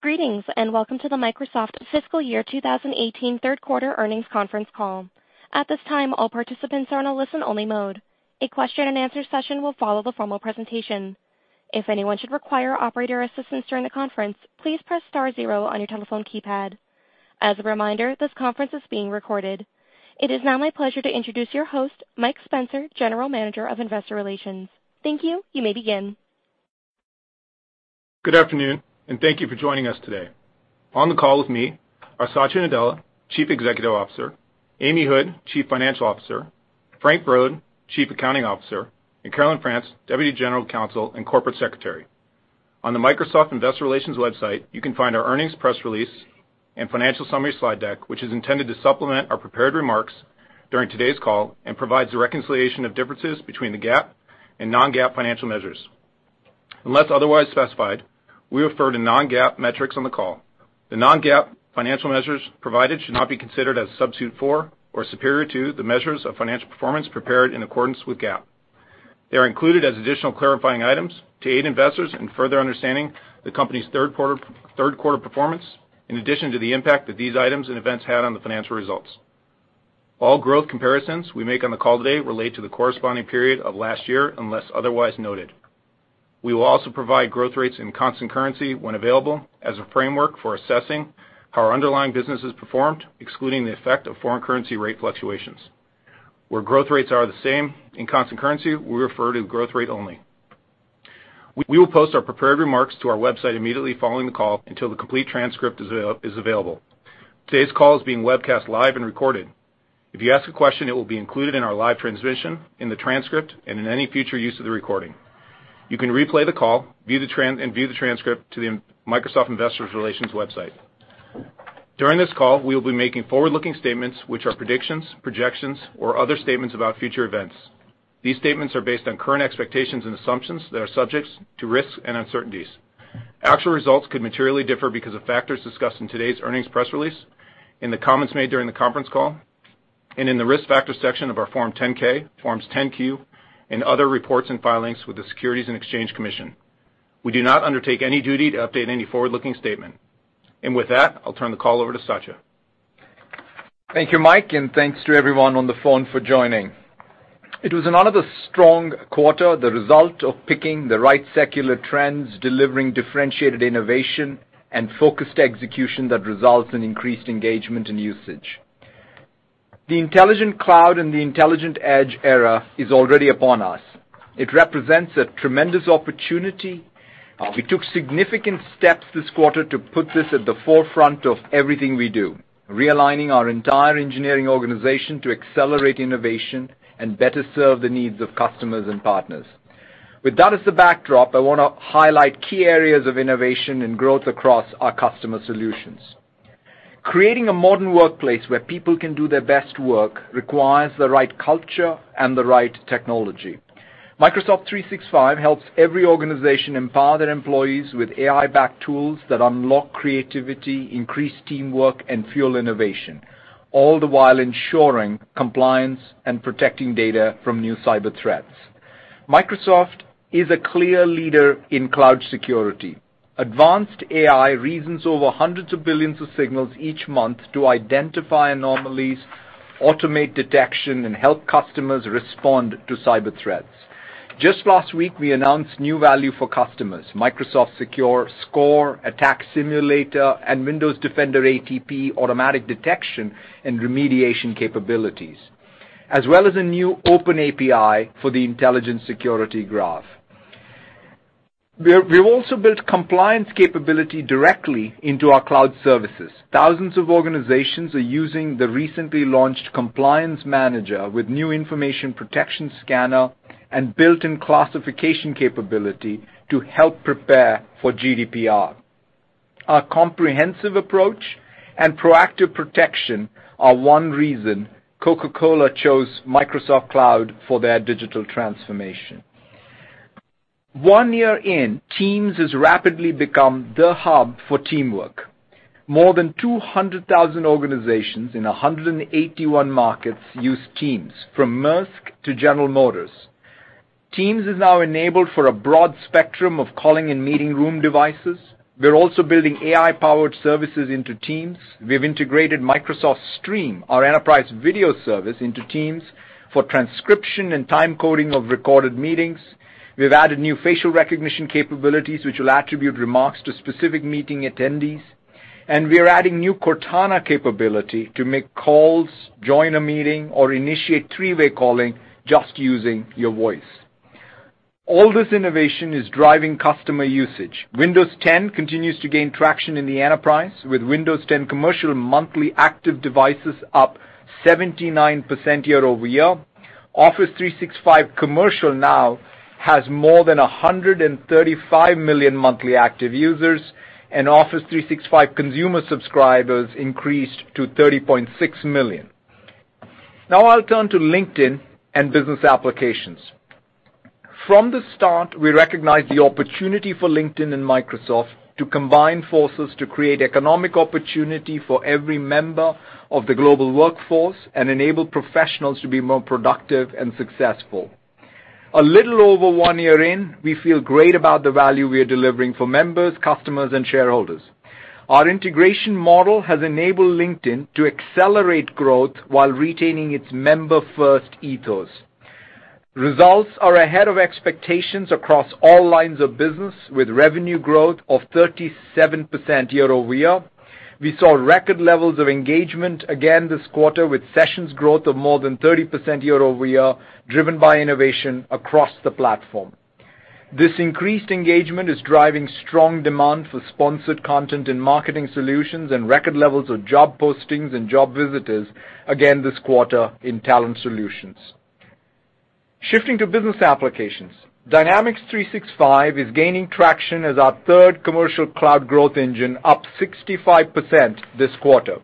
Greetings, and welcome to the Microsoft fiscal year 2018 third quarter earnings conference call. It is now my pleasure to introduce your host, Mike Spencer, General Manager of Investor Relations. Thank you. You may begin. Good afternoon and thank you for joining us today. On the call with me are Satya Nadella, Chief Executive Officer; Amy Hood, Chief Financial Officer; Frank Brod, Chief Accounting Officer; and Carolyn Frantz, Deputy General Counsel and Corporate Secretary. On the Microsoft Investor Relations website, you can find our earnings press release and financial summary slide deck, which is intended to supplement our prepared remarks during today's call and provides a reconciliation of differences between the GAAP and non-GAAP financial measures. Unless otherwise specified, we refer to non-GAAP metrics on the call. The non-GAAP financial measures provided should not be considered as a substitute for or superior to the measures of financial performance prepared in accordance with GAAP. They are included as additional clarifying items to aid investors in further understanding the company's third quarter performance in addition to the impact that these items and events had on the financial results. All growth comparisons we make on the call today relate to the corresponding period of last year unless otherwise noted. We will also provide growth rates in constant currency when available as a framework for assessing how our underlying businesses performed, excluding the effect of foreign currency rate fluctuations. Where growth rates are the same in constant currency, we refer to growth rate only. We will post our prepared remarks to our website immediately following the call until the complete transcript is available. Today's call is being webcast live and recorded. If you ask a question, it will be included in our live transmission, in the transcript, and in any future use of the recording. You can replay the call, and view the transcript to the Microsoft Investor Relations website. During this call, we will be making forward-looking statements which are predictions, projections, or other statements about future events. These statements are based on current expectations and assumptions that are subjects to risks and uncertainties. Actual results could materially differ because of factors discussed in today's earnings press release, in the comments made during the conference call, and in the Risk Factors section of our Form 10-K, Forms 10-Q, and other reports and filings with the Securities and Exchange Commission. We do not undertake any duty to update any forward-looking statement. With that, I'll turn the call over to Satya. Thank you, Mike, and thanks to everyone on the phone for joining. It was another strong quarter, the result of picking the right secular trends, delivering differentiated innovation and focused execution that results in increased engagement and usage. The intelligent cloud and the intelligent edge era is already upon us. It represents a tremendous opportunity. We took significant steps this quarter to put this at the forefront of everything we do, realigning our entire engineering organization to accelerate innovation and better serve the needs of customers and partners. With that as the backdrop, I wanna highlight key areas of innovation and growth across our customer solutions. Creating a modern workplace where people can do their best work requires the right culture and the right technology. Microsoft 365 helps every organization empower their employees with AI-backed tools that unlock creativity, increase teamwork, and fuel innovation, all the while ensuring compliance and protecting data from new cyber threats. Microsoft is a clear leader in cloud security. Advanced AI reasons over hundreds of billions of signals each month to identify anomalies, automate detection, and help customers respond to cyber threats. Just last week, we announced new value for customers, Microsoft Secure Score, Attack Simulator, and Windows Defender ATP automatic detection and remediation capabilities, as well as a new OpenAPI for the Intelligent Security Graph. We have also built compliance capability directly into our cloud services. Thousands of organizations are using the recently launched Compliance Manager with new information protection scanner and built-in classification capability to help prepare for GDPR. Our comprehensive approach and proactive protection are one reason Coca-Cola chose Microsoft Cloud for their digital transformation. One year in, Teams has rapidly become the hub for teamwork. More than 200,000 organizations in 181 markets use Teams, from Maersk to General Motors. Teams is now enabled for a broad spectrum of calling and meeting room devices. We're also building AI-powered services into Teams. We've integrated Microsoft Stream, our enterprise video service, into Teams for transcription and time coding of recorded meetings. We've added new facial recognition capabilities, which will attribute remarks to specific meeting attendees. We are adding new Cortana capability to make calls, join a meeting, or initiate three-way calling just using your voice. All this innovation is driving customer usage. Windows 10 continues to gain traction in the enterprise, with Windows 10 commercial monthly active devices up 79% year-over-year. Office 365 Commercial now has more than 135 million monthly active users, and Office 365 Consumer subscribers increased to 30.6 million. I'll turn to LinkedIn and business applications. From the start, we recognized the opportunity for LinkedIn and Microsoft to combine forces to create economic opportunity for every member of the global workforce and enable professionals to be more productive and successful. A little over one year in, we feel great about the value we are delivering for members, customers, and shareholders. Our integration model has enabled LinkedIn to accelerate growth while retaining its member-first ethos. Results are ahead of expectations across all lines of business, with revenue growth of 37% year-over-year. We saw record levels of engagement again this quarter with sessions growth of more than 30% year-over-year, driven by innovation across the platform. This increased engagement is driving strong demand for sponsored content in marketing solutions and record levels of job postings and job visitors again this quarter in Talent Solutions. Shifting to business applications, Dynamics 365 is gaining traction as our third commercial cloud growth engine, up 65% this quarter.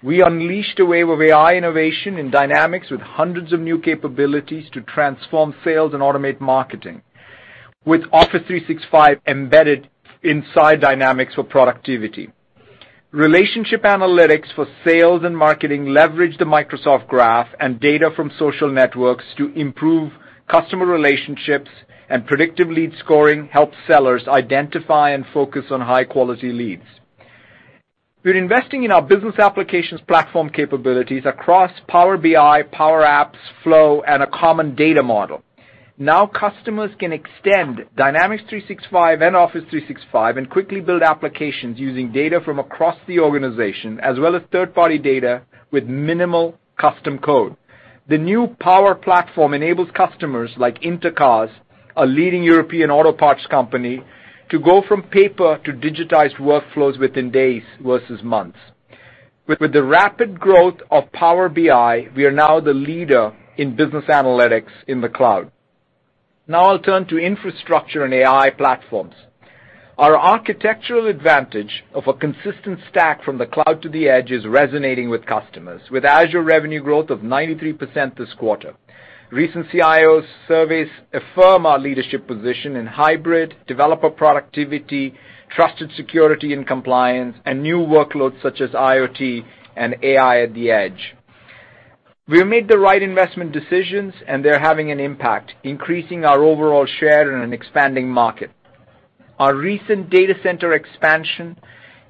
We unleashed a wave of AI innovation in Dynamics with hundreds of new capabilities to transform sales and automate marketing, with Office 365 embedded inside Dynamics for productivity. Relationship analytics for sales and marketing leverage the Microsoft Graph and data from social networks to improve customer relationships, and predictive lead scoring helps sellers identify and focus on high-quality leads. We're investing in our business applications platform capabilities across Power BI, Power Apps, Flow, and a Common Data Model. Customers can extend Dynamics 365 and Office 365 and quickly build applications using data from across the organization as well as third-party data with minimal custom code. The new Power Platform enables customers like Inter Cars, a leading European auto parts company, to go from paper to digitized workflows within days versus months. With the rapid growth of Power BI, we are now the leader in business analytics in the cloud. I'll turn to infrastructure and AI platforms. Our architectural advantage of a consistent stack from the cloud to the edge is resonating with customers. With Azure revenue growth of 93% this quarter, recent CIO surveys affirm our leadership position in hybrid, developer productivity, trusted security and compliance, and new workloads such as IoT and AI at the edge. We have made the right investment decisions, and they're having an impact, increasing our overall share in an expanding market. Our recent data center expansion,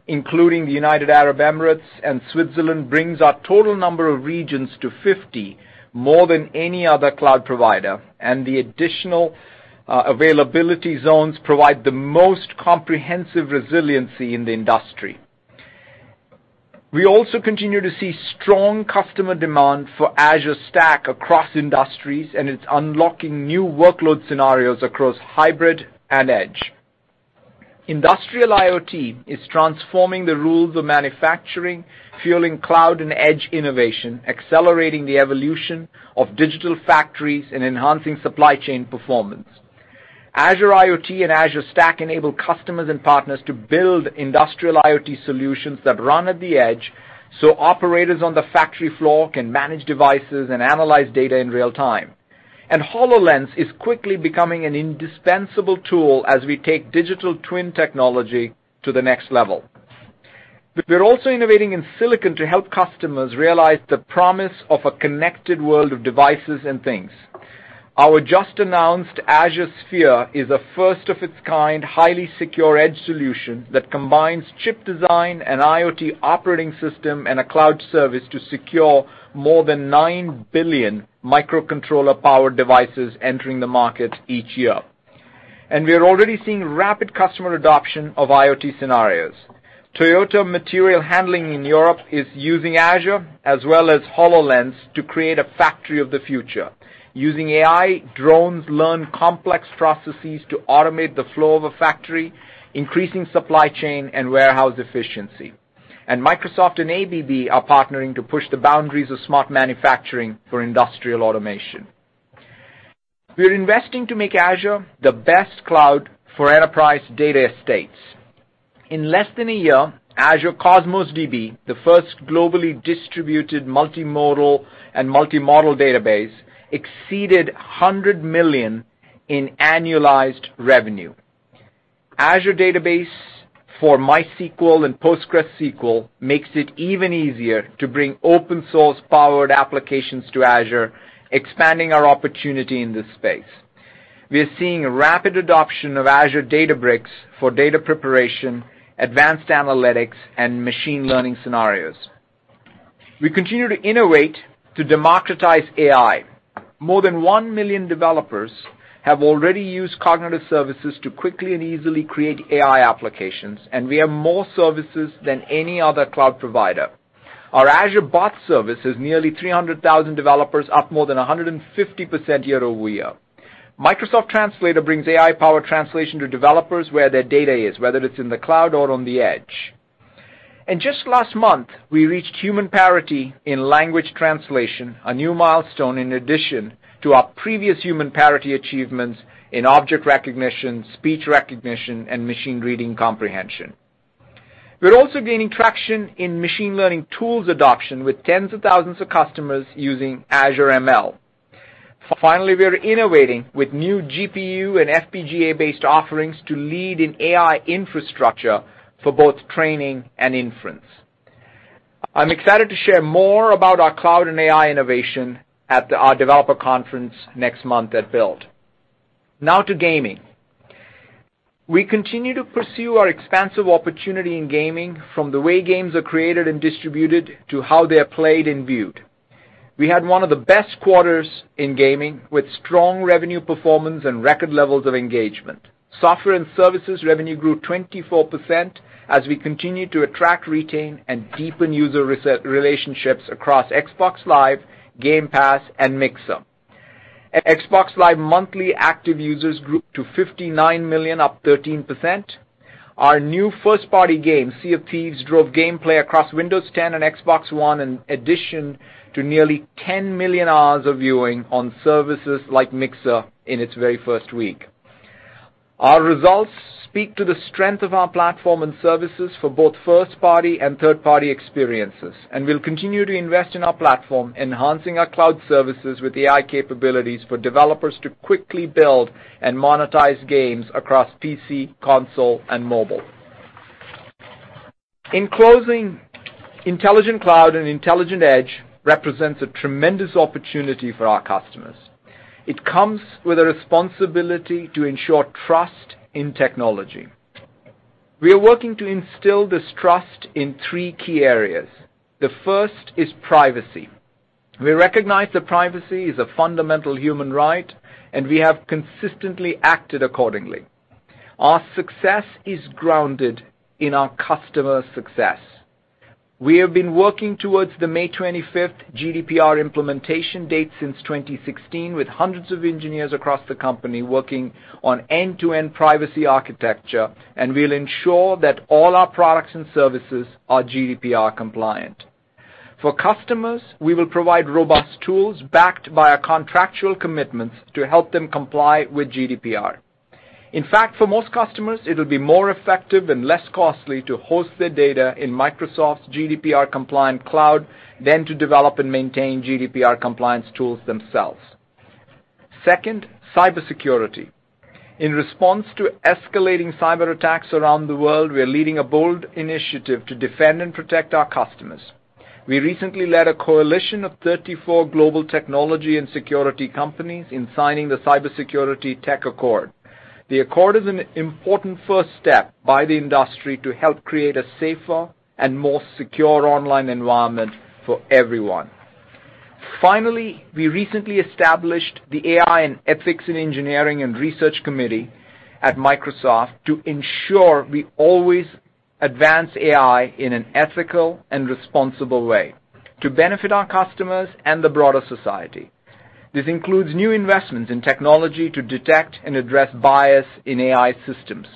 including the United Arab Emirates and Switzerland, brings our total number of regions to 50, more than any other cloud provider, and the additional availability zones provide the most comprehensive resiliency in the industry. We also continue to see strong customer demand for Azure Stack across industries, and it's unlocking new workload scenarios across hybrid and edge. Industrial IoT is transforming the rules of manufacturing, fueling cloud and edge innovation, accelerating the evolution of digital factories, and enhancing supply chain performance. Azure IoT and Azure Stack enable customers and partners to build industrial IoT solutions that run at the edge, so operators on the factory floor can manage devices and analyze data in real time. HoloLens is quickly becoming an indispensable tool as we take digital twin technology to the next level. We're also innovating in silicon to help customers realize the promise of a connected world of devices and things. Our just-announced Azure Sphere is a first-of-its-kind, highly secure edge solution that combines chip design, an IoT operating system, and a cloud service to secure more than 9 billion microcontroller-powered devices entering the market each year. We are already seeing rapid customer adoption of IoT scenarios. Toyota Material Handling in Europe is using Azure as well as HoloLens to create a factory of the future. Using AI, drones learn complex processes to automate the flow of a factory, increasing supply chain and warehouse efficiency. Microsoft and ABB are partnering to push the boundaries of smart manufacturing for industrial automation. We're investing to make Azure the best cloud for enterprise data estates. In less than a year, Azure Cosmos DB, the first globally distributed multimodal and multi-model database, exceeded $100 million in annualized revenue. Azure Database for MySQL and PostgreSQL makes it even easier to bring open source-powered applications to Azure, expanding our opportunity in this space. We are seeing rapid adoption of Azure Databricks for data preparation, advanced analytics, and machine learning scenarios. We continue to innovate to democratize AI. More than 1 million developers have already used Cognitive Services to quickly and easily create AI applications, and we have more services than any other cloud provider. Our Azure Bot Service has nearly 300,000 developers, up more than 150% year-over-year. Microsoft Translator brings AI-powered translation to developers where their data is, whether it's in the cloud or on the edge. Just last month, we reached human parity in language translation, a new milestone in addition to our previous human parity achievements in object recognition, speech recognition, and machine reading comprehension. We are also gaining traction in machine learning tools adoption with tens of thousands of customers using Azure ML. Finally, we are innovating with new GPU and FPGA-based offerings to lead in AI infrastructure for both training and inference. I am excited to share more about our cloud and AI innovation at our developer conference next month at Build. Now to gaming. We continue to pursue our expansive opportunity in gaming from the way games are created and distributed to how they are played and viewed. We had one of the best quarters in gaming with strong revenue performance and record levels of engagement. Software and services revenue grew 24% as we continue to attract, retain, and deepen user relationships across Xbox Live, Game Pass, and Mixer. Xbox Live monthly active users grew to 59 million, up 13%. Our new first-party game, Sea of Thieves, drove gameplay across Windows 10 and Xbox One in addition to nearly 10 million hours of viewing on services like Mixer in its very first week. Our results speak to the strength of our platform and services for both first-party and third-party experiences. We'll continue to invest in our platform, enhancing our cloud services with AI capabilities for developers to quickly build and monetize games across PC, console, and mobile. In closing, intelligent cloud and intelligent edge represents a tremendous opportunity for our customers. It comes with a responsibility to ensure trust in technology. We are working to instill this trust in three key areas. The first is privacy. We recognize that privacy is a fundamental human right, and we have consistently acted accordingly. Our success is grounded in our customers' success. We have been working towards the May 25th GDPR implementation date since 2016 with hundreds of engineers across the company working on end-to-end privacy architecture, and we'll ensure that all our products and services are GDPR compliant. For customers, we will provide robust tools backed by our contractual commitments to help them comply with GDPR. In fact, for most customers, it'll be more effective and less costly to host their data in Microsoft's GDPR compliant cloud than to develop and maintain GDPR compliance tools themselves. Second, cybersecurity. In response to escalating cyberattacks around the world, we are leading a bold initiative to defend and protect our customers. We recently led a coalition of 34 global technology and security companies in signing the Cybersecurity Tech Accord. The accord is an important first step by the industry to help create a safer and more secure online environment for everyone. Finally, we recently established the AI Ethics in Engineering and Research Committee at Microsoft to ensure we always advance AI in an ethical and responsible way to benefit our customers and the broader society. This includes new investments in technology to detect and address bias in AI systems.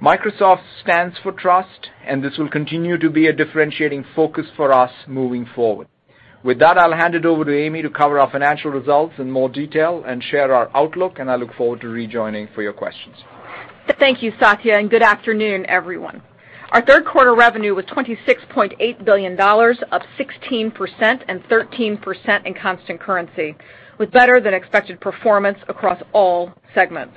Microsoft stands for trust, and this will continue to be a differentiating focus for us moving forward. With that, I'll hand it over to Amy to cover our financial results in more detail and share our outlook, and I look forward to rejoining for your questions. Thank you, Satya, and good afternoon, everyone. Our third quarter revenue was $26.8 billion, up 16% and 13% in constant currency, with better-than-expected performance across all segments.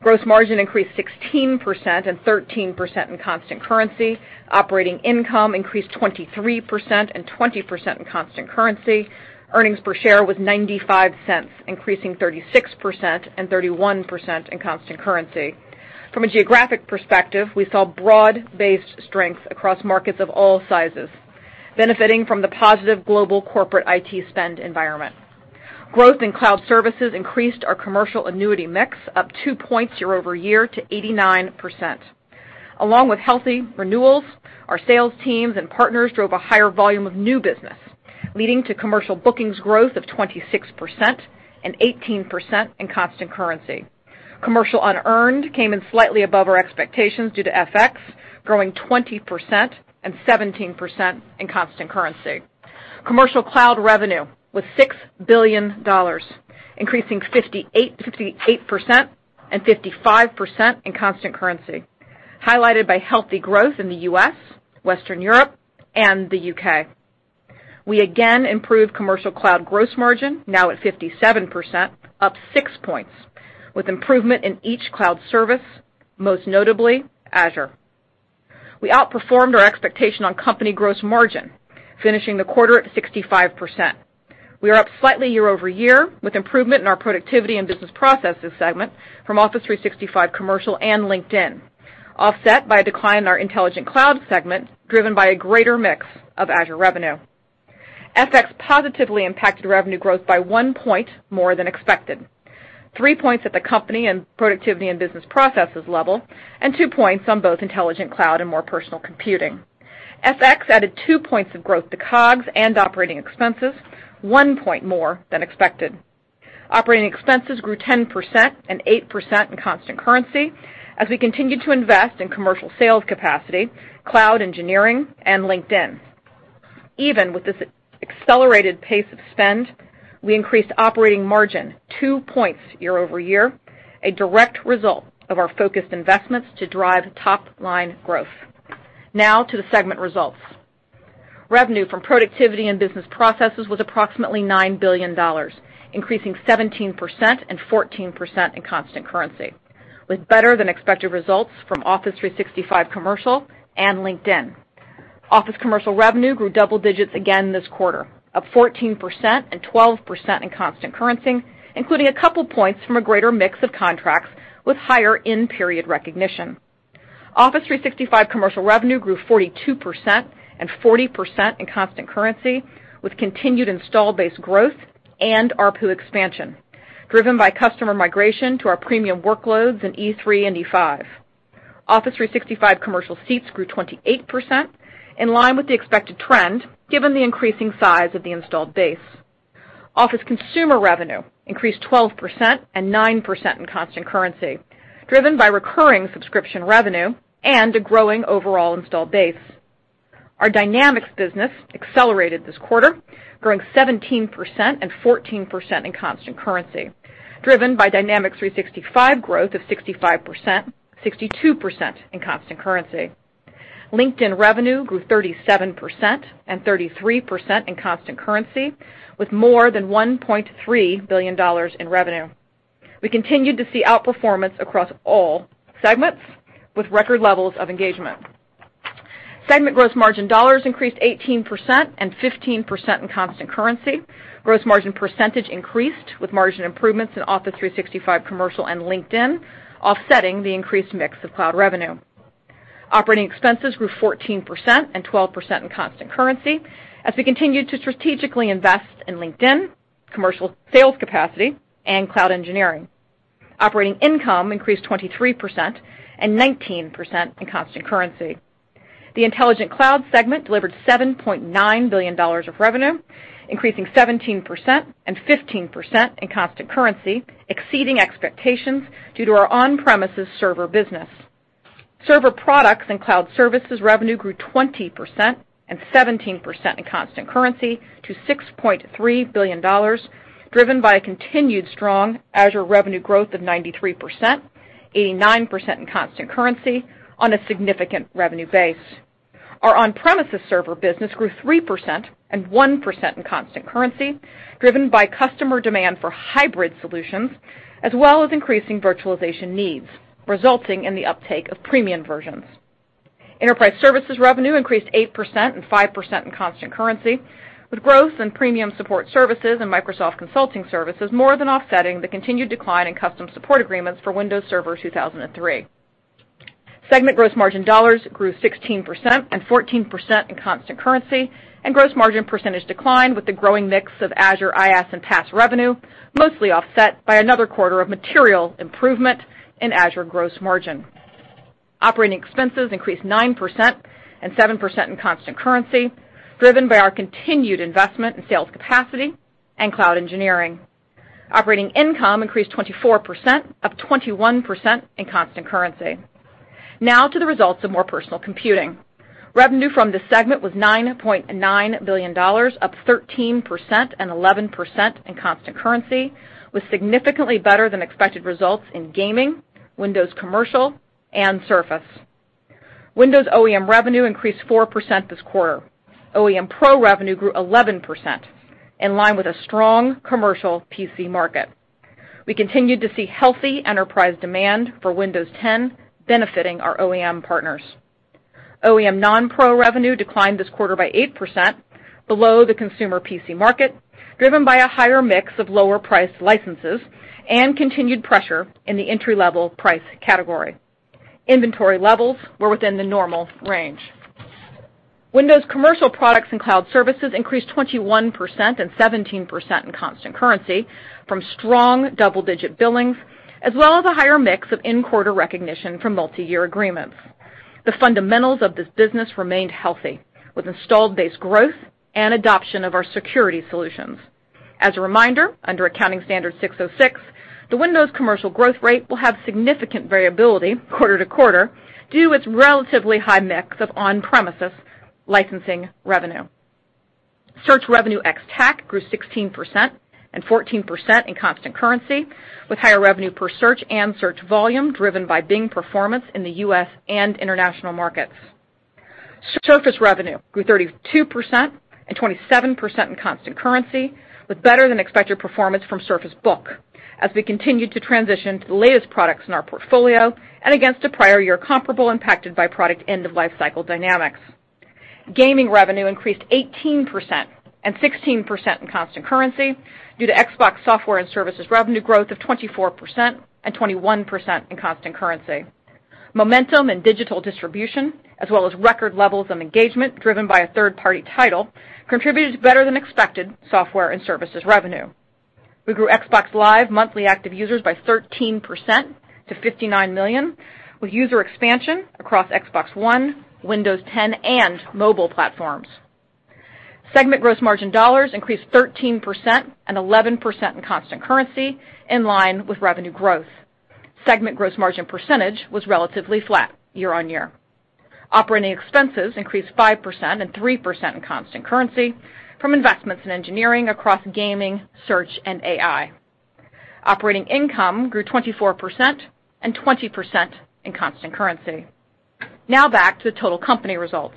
Gross margin increased 16% and 13% in constant currency. Operating income increased 23% and 20% in constant currency. Earnings per share was $0.95, increasing 36% and 31% in constant currency. From a geographic perspective, we saw broad-based strength across markets of all sizes, benefiting from the positive global corporate IT spend environment. Growth in cloud services increased our commercial annuity mix up 2 points year-over-year to 89%. Along with healthy renewals, our sales teams and partners drove a higher volume of new business, leading to commercial bookings growth of 26% and 18% in constant currency. Commercial unearned came in slightly above our expectations due to FX, growing 20% and 17% in constant currency. Commercial cloud revenue was $6 billion, increasing 58% and 55% in constant currency, highlighted by healthy growth in the U.S., Western Europe, and the U.K. We again improved commercial cloud gross margin, now at 57%, up 6 points, with improvement in each cloud service, most notably Azure. We outperformed our expectation on company gross margin, finishing the quarter at 65%. We are up slightly year-over-year with improvement in our Productivity and Business Processes segment from Office 365 Commercial and LinkedIn, offset by a decline in our Intelligent Cloud segment, driven by a greater mix of Azure revenue. FX positively impacted revenue growth by 1 point more than expected, 3 points at the company and Productivity and Business Processes level, and 2 points on both Intelligent Cloud and More Personal Computing. FX added 2 points of growth to COGS and operating expenses, 1 point more than expected. Operating expenses grew 10% and 8% in constant currency as we continue to invest in commercial sales capacity, cloud engineering, and LinkedIn. Even with this accelerated pace of spend, we increased operating margin 2 points year-over-year, a direct result of our focused investments to drive top-line growth. Now to the segment results. Revenue from Productivity and Business Processes was approximately $9 billion, increasing 17% and 14% in constant currency, with better than expected results from Office 365 Commercial and LinkedIn. Office Commercial revenue grew double digits again this quarter, up 14% and 12% in constant currency, including a couple points from a greater mix of contracts with higher in-period recognition. Office 365 Commercial revenue grew 42% and 40% in constant currency, with continued installed base growth and ARPU expansion, driven by customer migration to our premium workloads in E3 and E5. Office 365 Commercial seats grew 28%, in line with the expected trend, given the increasing size of the installed base. Office Consumer revenue increased 12% and 9% in constant currency, driven by recurring subscription revenue and a growing overall installed base. Our Dynamics business accelerated this quarter, growing 17% and 14% in constant currency, driven by Dynamics 365 growth of 65%, 62% in constant currency. LinkedIn revenue grew 37% and 33% in constant currency, with more than $1.3 billion in revenue. We continued to see outperformance across all segments with record levels of engagement. Segment gross margin dollars increased 18% and 15% in constant currency. Gross margin percentage increased with margin improvements in Office 365 Commercial and LinkedIn offsetting the increased mix of cloud revenue. Operating expenses grew 14% and 12% in constant currency as we continued to strategically invest in LinkedIn, commercial sales capacity, and cloud engineering. Operating income increased 23% and 19% in constant currency. The Intelligent Cloud segment delivered $7.9 billion of revenue, increasing 17% and 15% in constant currency, exceeding expectations due to our on-premises server business. Server products and cloud services revenue grew 20% and 17% in constant currency to $6.3 billion, driven by a continued strong Azure revenue growth of 93%, 89% in constant currency on a significant revenue base. Our On-Premises Server business grew 3% and 1% in constant currency, driven by customer demand for hybrid solutions, as well as increasing virtualization needs, resulting in the uptake of premium versions. Enterprise Services revenue increased 8% and 5% in constant currency, with growth in Premium Support services and Microsoft Consulting Services more than offsetting the continued decline in custom support agreements for Windows Server 2003. Segment gross margin dollars grew 16% and 14% in constant currency. Gross margin percentage declined with the growing mix of Azure IaaS and PaaS revenue, mostly offset by another quarter of material improvement in Azure gross margin. Operating expenses increased 9% and 7% in constant currency, driven by our continued investment in sales capacity and cloud engineering. Operating income increased 24%, up 21% in constant currency. Now to the results of More Personal Computing. Revenue from this segment was $9.9 billion, up 13% and 11% in constant currency, with significantly better-than-expected results in gaming, Windows Commercial, and Surface. Windows OEM revenue increased 4% this quarter. OEM Pro revenue grew 11%, in line with a strong commercial PC market. We continue to see healthy enterprise demand for Windows 10 benefiting our OEM partners. OEM non-pro revenue declined this quarter by 8% below the consumer PC market, driven by a higher mix of lower-priced licenses and continued pressure in the entry-level price category. Windows commercial products and cloud services increased 21% and 17% in constant currency from strong double-digit billings as well as a higher mix of in-quarter recognition from multiyear agreements. The fundamentals of this business remained healthy with installed base growth and adoption of our security solutions. As a reminder, under Accounting Standards 606, the Windows commercial growth rate will have significant variability quarter to quarter due to its relatively high mix of on-premises licensing revenue. Search revenue ex-TAC grew 16% and 14% in constant currency, with higher revenue per search and search volume driven by Bing performance in the U.S. and international markets. Surface revenue grew 32% and 27% in constant currency, with better than expected performance from Surface Book as we continued to transition to the latest products in our portfolio and against a prior year comparable impacted by product end-of-life cycle dynamics. Gaming revenue increased 18% and 16% in constant currency due to Xbox software and services revenue growth of 24% and 21% in constant currency. Momentum in digital distribution, as well as record levels of engagement driven by a third-party title, contributed to better than expected software and services revenue. We grew Xbox Live monthly active users by 13% to 59 million, with user expansion across Xbox One, Windows 10, and mobile platforms. Segment gross margin dollars increased 13% and 11% in constant currency in line with revenue growth. Segment gross margin percentage was relatively flat year-over-year. Operating expenses increased 5% and 3% in constant currency from investments in engineering across gaming, search, and AI. Operating income grew 24% and 20% in constant currency. Now back to the total company results.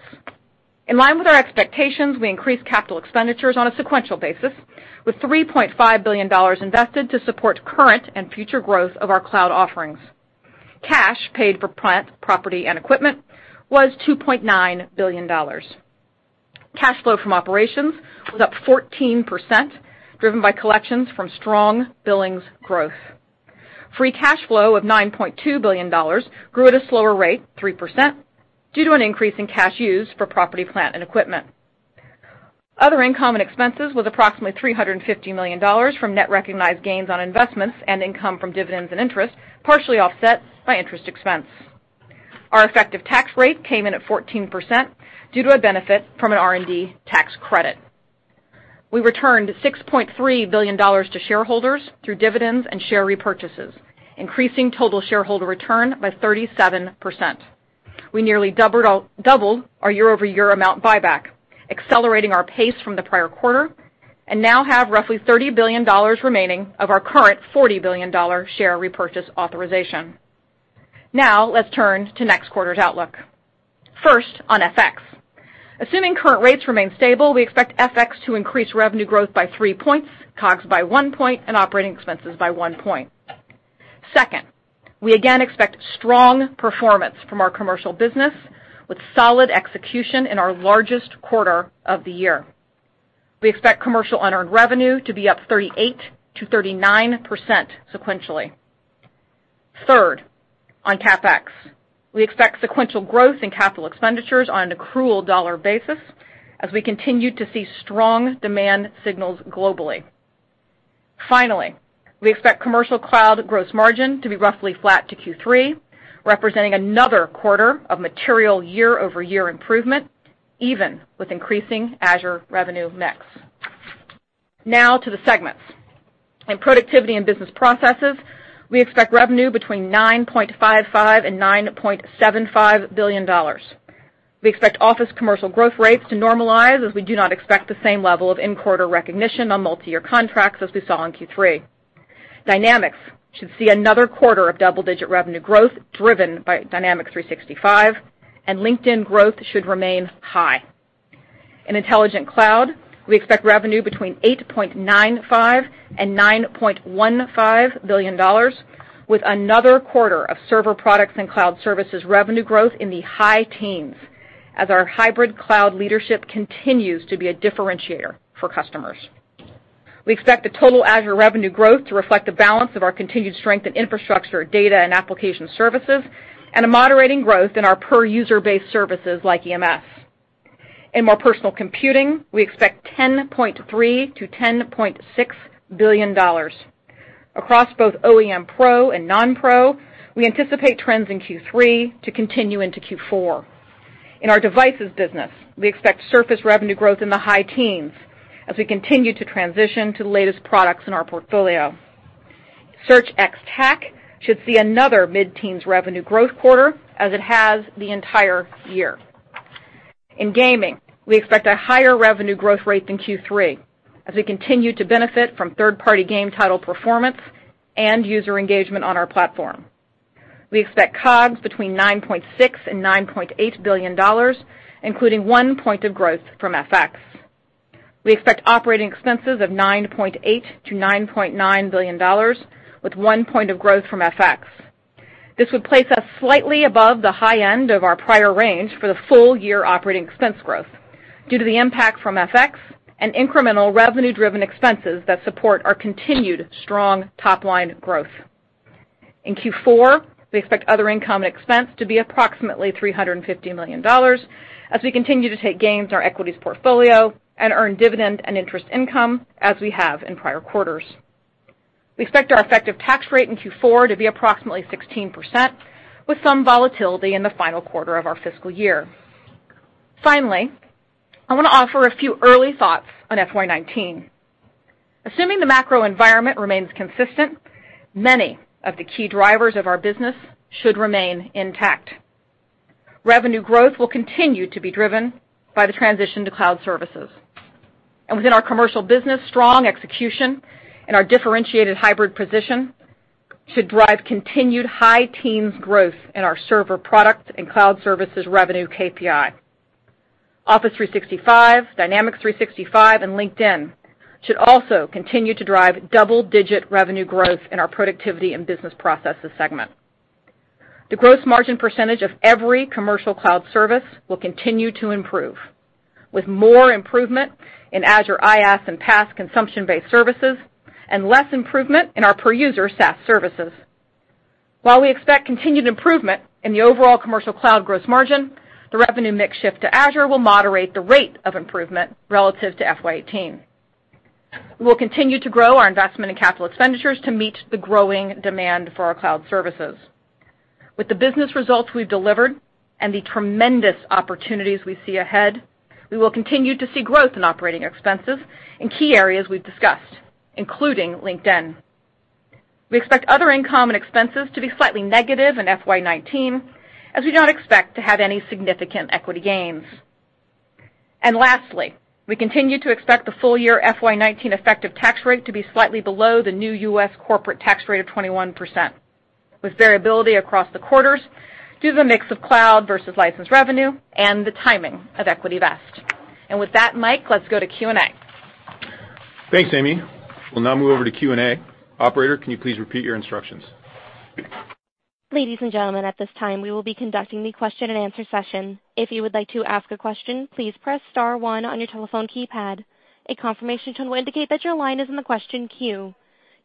In line with our expectations, we increased capital expenditures on a sequential basis with $3.5 billion invested to support current and future growth of our cloud offerings. Cash paid for plant, property, and equipment was $2.9 billion. Cash flow from operations was up 14%, driven by collections from strong billings growth. Free cash flow of $9.2 billion grew at a slower rate, 3%, due to an increase in cash used for property, plant, and equipment. Other income and expenses was approximately $350 million from net recognized gains on investments and income from dividends and interest, partially offset by interest expense. Our effective tax rate came in at 14% due to a benefit from an R&D tax credit. We returned $6.3 billion to shareholders through dividends and share repurchases, increasing total shareholder return by 37%. We nearly doubled our year-over-year amount buyback, accelerating our pace from the prior quarter, and now have roughly $30 billion remaining of our current $40 billion share repurchase authorization. Now let's turn to next quarter's outlook. First, on FX. Assuming current rates remain stable, we expect FX to increase revenue growth by 3 points, COGS by 1 point, and operating expenses by 1 point. Second, we again expect strong performance from our commercial business with solid execution in our largest quarter of the year. We expect commercial unearned revenue to be up 38%-39% sequentially. Third, on CapEx. We expect sequential growth in capital expenditures on an accrual dollar basis as we continue to see strong demand signals globally. Finally, we expect commercial cloud gross margin to be roughly flat to Q3, representing another quarter of material year-over-year improvement, even with increasing Azure revenue mix. To the segments. In Productivity and Business Processes, we expect revenue between $9.55 billion and $9.75 billion. We expect Office commercial growth rates to normalize, as we do not expect the same level of in-quarter recognition on multi-year contracts as we saw in Q3. Dynamics should see another quarter of double-digit revenue growth driven by Dynamics 365, and LinkedIn growth should remain high. In Intelligent Cloud, we expect revenue between $8.95 billion and $9.15 billion with another quarter of server products and cloud services revenue growth in the high teens as our hybrid cloud leadership continues to be a differentiator for customers. We expect the total Azure revenue growth to reflect the balance of our continued strength in infrastructure, data, and application services and a moderating growth in our per user-based services like EMS. In More Personal Computing, we expect $10.3 billion-$10.6 billion. Across both OEM Pro and non-Pro, we anticipate trends in Q3 to continue into Q4. In our devices business, we expect Surface revenue growth in the high teens as we continue to transition to the latest products in our portfolio. Search ex-TAC should see another mid-teens revenue growth quarter as it has the entire year. In gaming, we expect a higher revenue growth rate than Q3 as we continue to benefit from third-party game title performance and user engagement on our platform. We expect COGS between $9.6 billion and $9.8 billion, including 1 point of growth from FX. We expect operating expenses of $9.8 billion-$9.9 billion with 1 point of growth from FX. This would place us slightly above the high end of our prior range for the full-year operating expense growth due to the impact from FX and incremental revenue-driven expenses that support our continued strong top-line growth. In Q4, we expect other income and expense to be approximately $350 million as we continue to take gains in our equities portfolio and earn dividend and interest income as we have in prior quarters. We expect our effective tax rate in Q4 to be approximately 16% with some volatility in the final quarter of our fiscal year. Finally, I wanna offer a few early thoughts on FY 2019. Assuming the macro environment remains consistent, many of the key drivers of our business should remain intact. Revenue growth will continue to be driven by the transition to cloud services. Within our commercial business, strong execution and our differentiated hybrid position should drive continued high teens growth in our server product and cloud services revenue KPI. Office 365, Dynamics 365, and LinkedIn should also continue to drive double-digit revenue growth in our Productivity and Business Processes segment. The gross margin percentage of every commercial cloud service will continue to improve, with more improvement in Azure IaaS and PaaS consumption-based services and less improvement in our per user SaaS services. While we expect continued improvement in the overall commercial cloud gross margin, the revenue mix shift to Azure will moderate the rate of improvement relative to FY 2018. We'll continue to grow our investment in capital expenditures to meet the growing demand for our cloud services. With the business results we've delivered and the tremendous opportunities we see ahead, we will continue to see growth in operating expenses in key areas we've discussed, including LinkedIn. We expect other income and expenses to be slightly negative in FY 2019 as we don't expect to have any significant equity gains. Lastly, we continue to expect the full-year FY 2019 effective tax rate to be slightly below the new U.S. corporate tax rate of 21%, with variability across the quarters due to the mix of cloud versus license revenue and the timing of equity vest. With that, Mike, let's go to Q&A. Thanks, Amy. We'll now move over to Q&A. Operator, can you please repeat your instructions? Ladies and gentlemen, at this time, we will be conducting the question and answer session. If you would like to ask a question, please press star one on your telephone keypad. A confirmation tone will indicate that your line is in the question queue.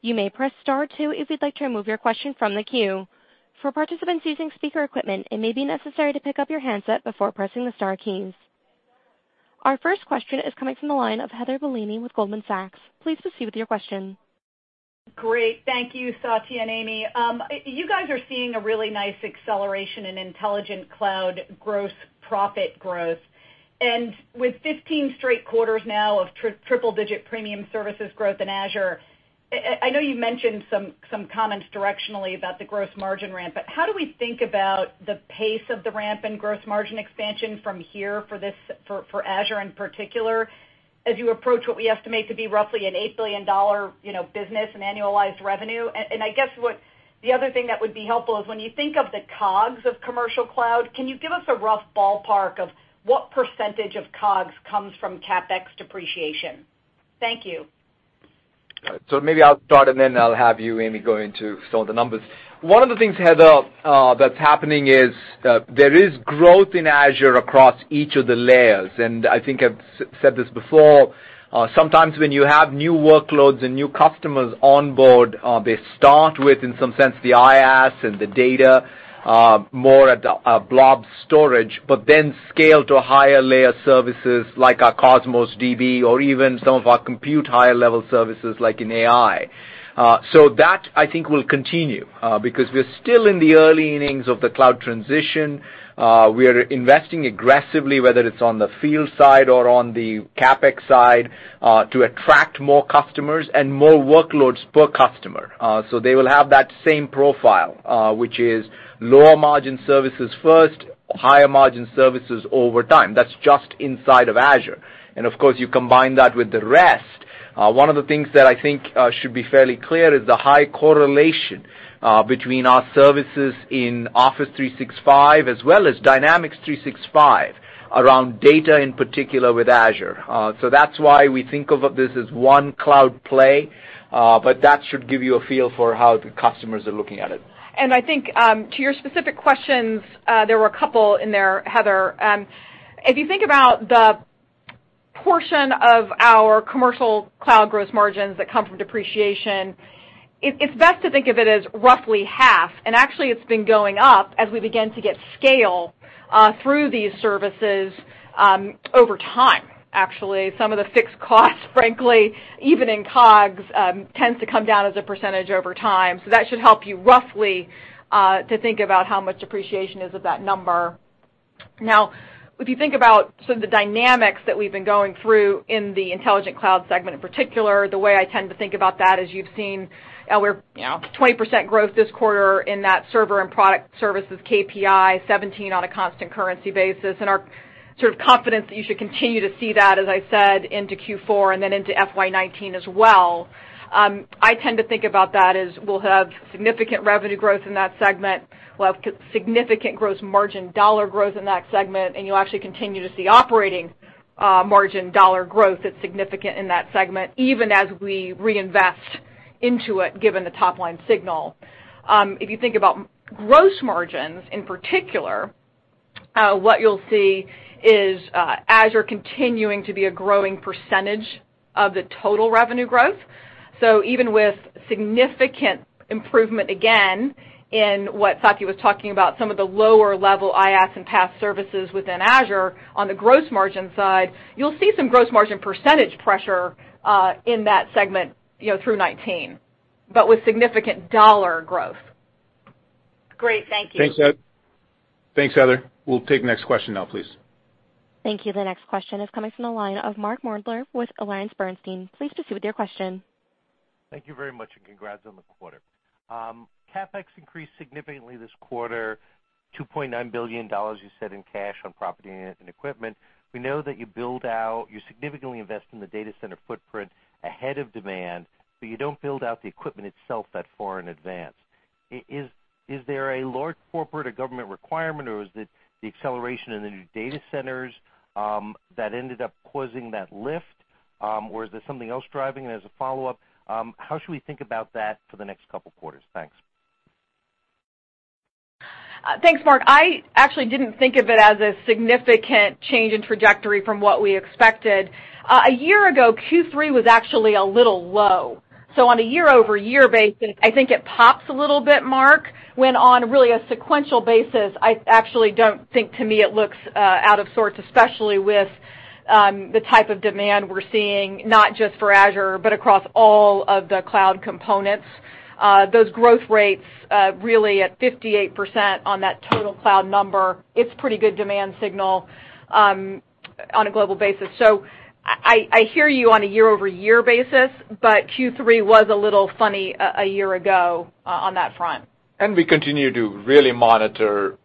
You may press star two if you'd like to remove your question from the queue. For participants using speaker equipment, it may be necessary to pick up your handset before pressing the star keys. Our first question is coming from the line of Heather Bellini with Goldman Sachs. Please proceed with your question. Great. Thank you, Satya and Amy. You guys are seeing a really nice acceleration in Intelligent Cloud gross profit growth. With 15 straight quarters now of triple-digit premium services growth in Azure, I know you mentioned some comments directionally about the gross margin ramp, but how do we think about the pace of the ramp and gross margin expansion from here for Azure in particular as you approach what we estimate to be roughly an $8 billion, you know, business in annualized revenue? I guess what the other thing that would be helpful is when you think of the COGS of Commercial Cloud, can you give us a rough ballpark of what % of COGS comes from CapEx depreciation? Thank you. Maybe I'll start, and then I'll have you, Amy, go into some of the numbers. One of the things, Heather, that's happening is there is growth in Azure across each of the layers. I think I've said this before, sometimes when you have new workloads and new customers on board, they start with, in some sense, the IaaS and the data, more at the Blob Storage, but then scale to higher layer services like our Cosmos DB or even some of our compute higher level services like in AI. That, I think, will continue because we're still in the early innings of the cloud transition. We are investing aggressively, whether it's on the field side or on the CapEx side, to attract more customers and more workloads per customer. They will have that same profile, which is lower margin services first, higher margin services over time. That's just inside of Azure. Of course, you combine that with the rest. One of the things that I think should be fairly clear is the high correlation between our services in Office 365 as well as Dynamics 365 around data, in particular with Azure. That's why we think of this as one cloud play, but that should give you a feel for how the customers are looking at it. I think, to your specific questions, there were a couple in there, Heather. If you think about the portion of our commercial cloud gross margins that come from depreciation, it's best to think of it as roughly half. Actually, it's been going up as we begin to get scale through these services over time, actually. Some of the fixed costs, frankly, even in COGS, tends to come down as a percentage over time. That should help you roughly to think about how much depreciation is of that number. If you think about some of the dynamics that we've been going through in the Intelligent Cloud segment, in particular, the way I tend to think about that is you've seen our, you know, 20% growth this quarter in that server and product services KPI, 17% on a constant currency basis, and our sort of confidence that you should continue to see that, as I said, into Q4 and then into FY 2019 as well. I tend to think about that as we'll have significant revenue growth in that segment. We'll have significant gross margin dollar growth in that segment, and you'll actually continue to see operating margin dollar growth that's significant in that segment, even as we reinvest into it, given the top-line signal. If you think about gross margins in particular, what you'll see is Azure continuing to be a growing percentage of the total revenue growth. Even with significant improvement, again, in what Satya was talking about, some of the lower-level IaaS and PaaS services within Azure on the gross margin side, you'll see some gross margin percentage pressure in that segment through 2019, but with significant dollar growth. Great. Thank you. Thanks, Satya. Thanks, Heather. We'll take the next question now, please. Thank you. The next question is coming from the line of Mark Moerdler with AllianceBernstein. Please proceed with your question. Thank you very much, and congrats on the quarter. CapEx increased significantly this quarter, $2.9 billion you said in cash on property and equipment. We know that you significantly invest in the data center footprint ahead of demand, but you don't build out the equipment itself that far in advance. Is there a large corporate or government requirement or is it the acceleration in the new data centers that ended up causing that lift, or is there something else driving? As a follow-up, how should we think about that for the next couple quarters? Thanks. Thanks, Mark. I actually didn't think of it as a significant change in trajectory from what we expected. A year ago, Q3 was actually a little low. On a year-over-year basis, I think it pops a little bit, Mark, when on really a sequential basis, I actually don't think to me it looks out of sorts, especially with the type of demand we're seeing, not just for Azure, but across all of the cloud components. Those growth rates, really at 58% on that total cloud number, it's pretty good demand signal on a global basis. I hear you on a year-over-year basis, but Q3 was a little funny a year ago on that front. We continue to really monitor,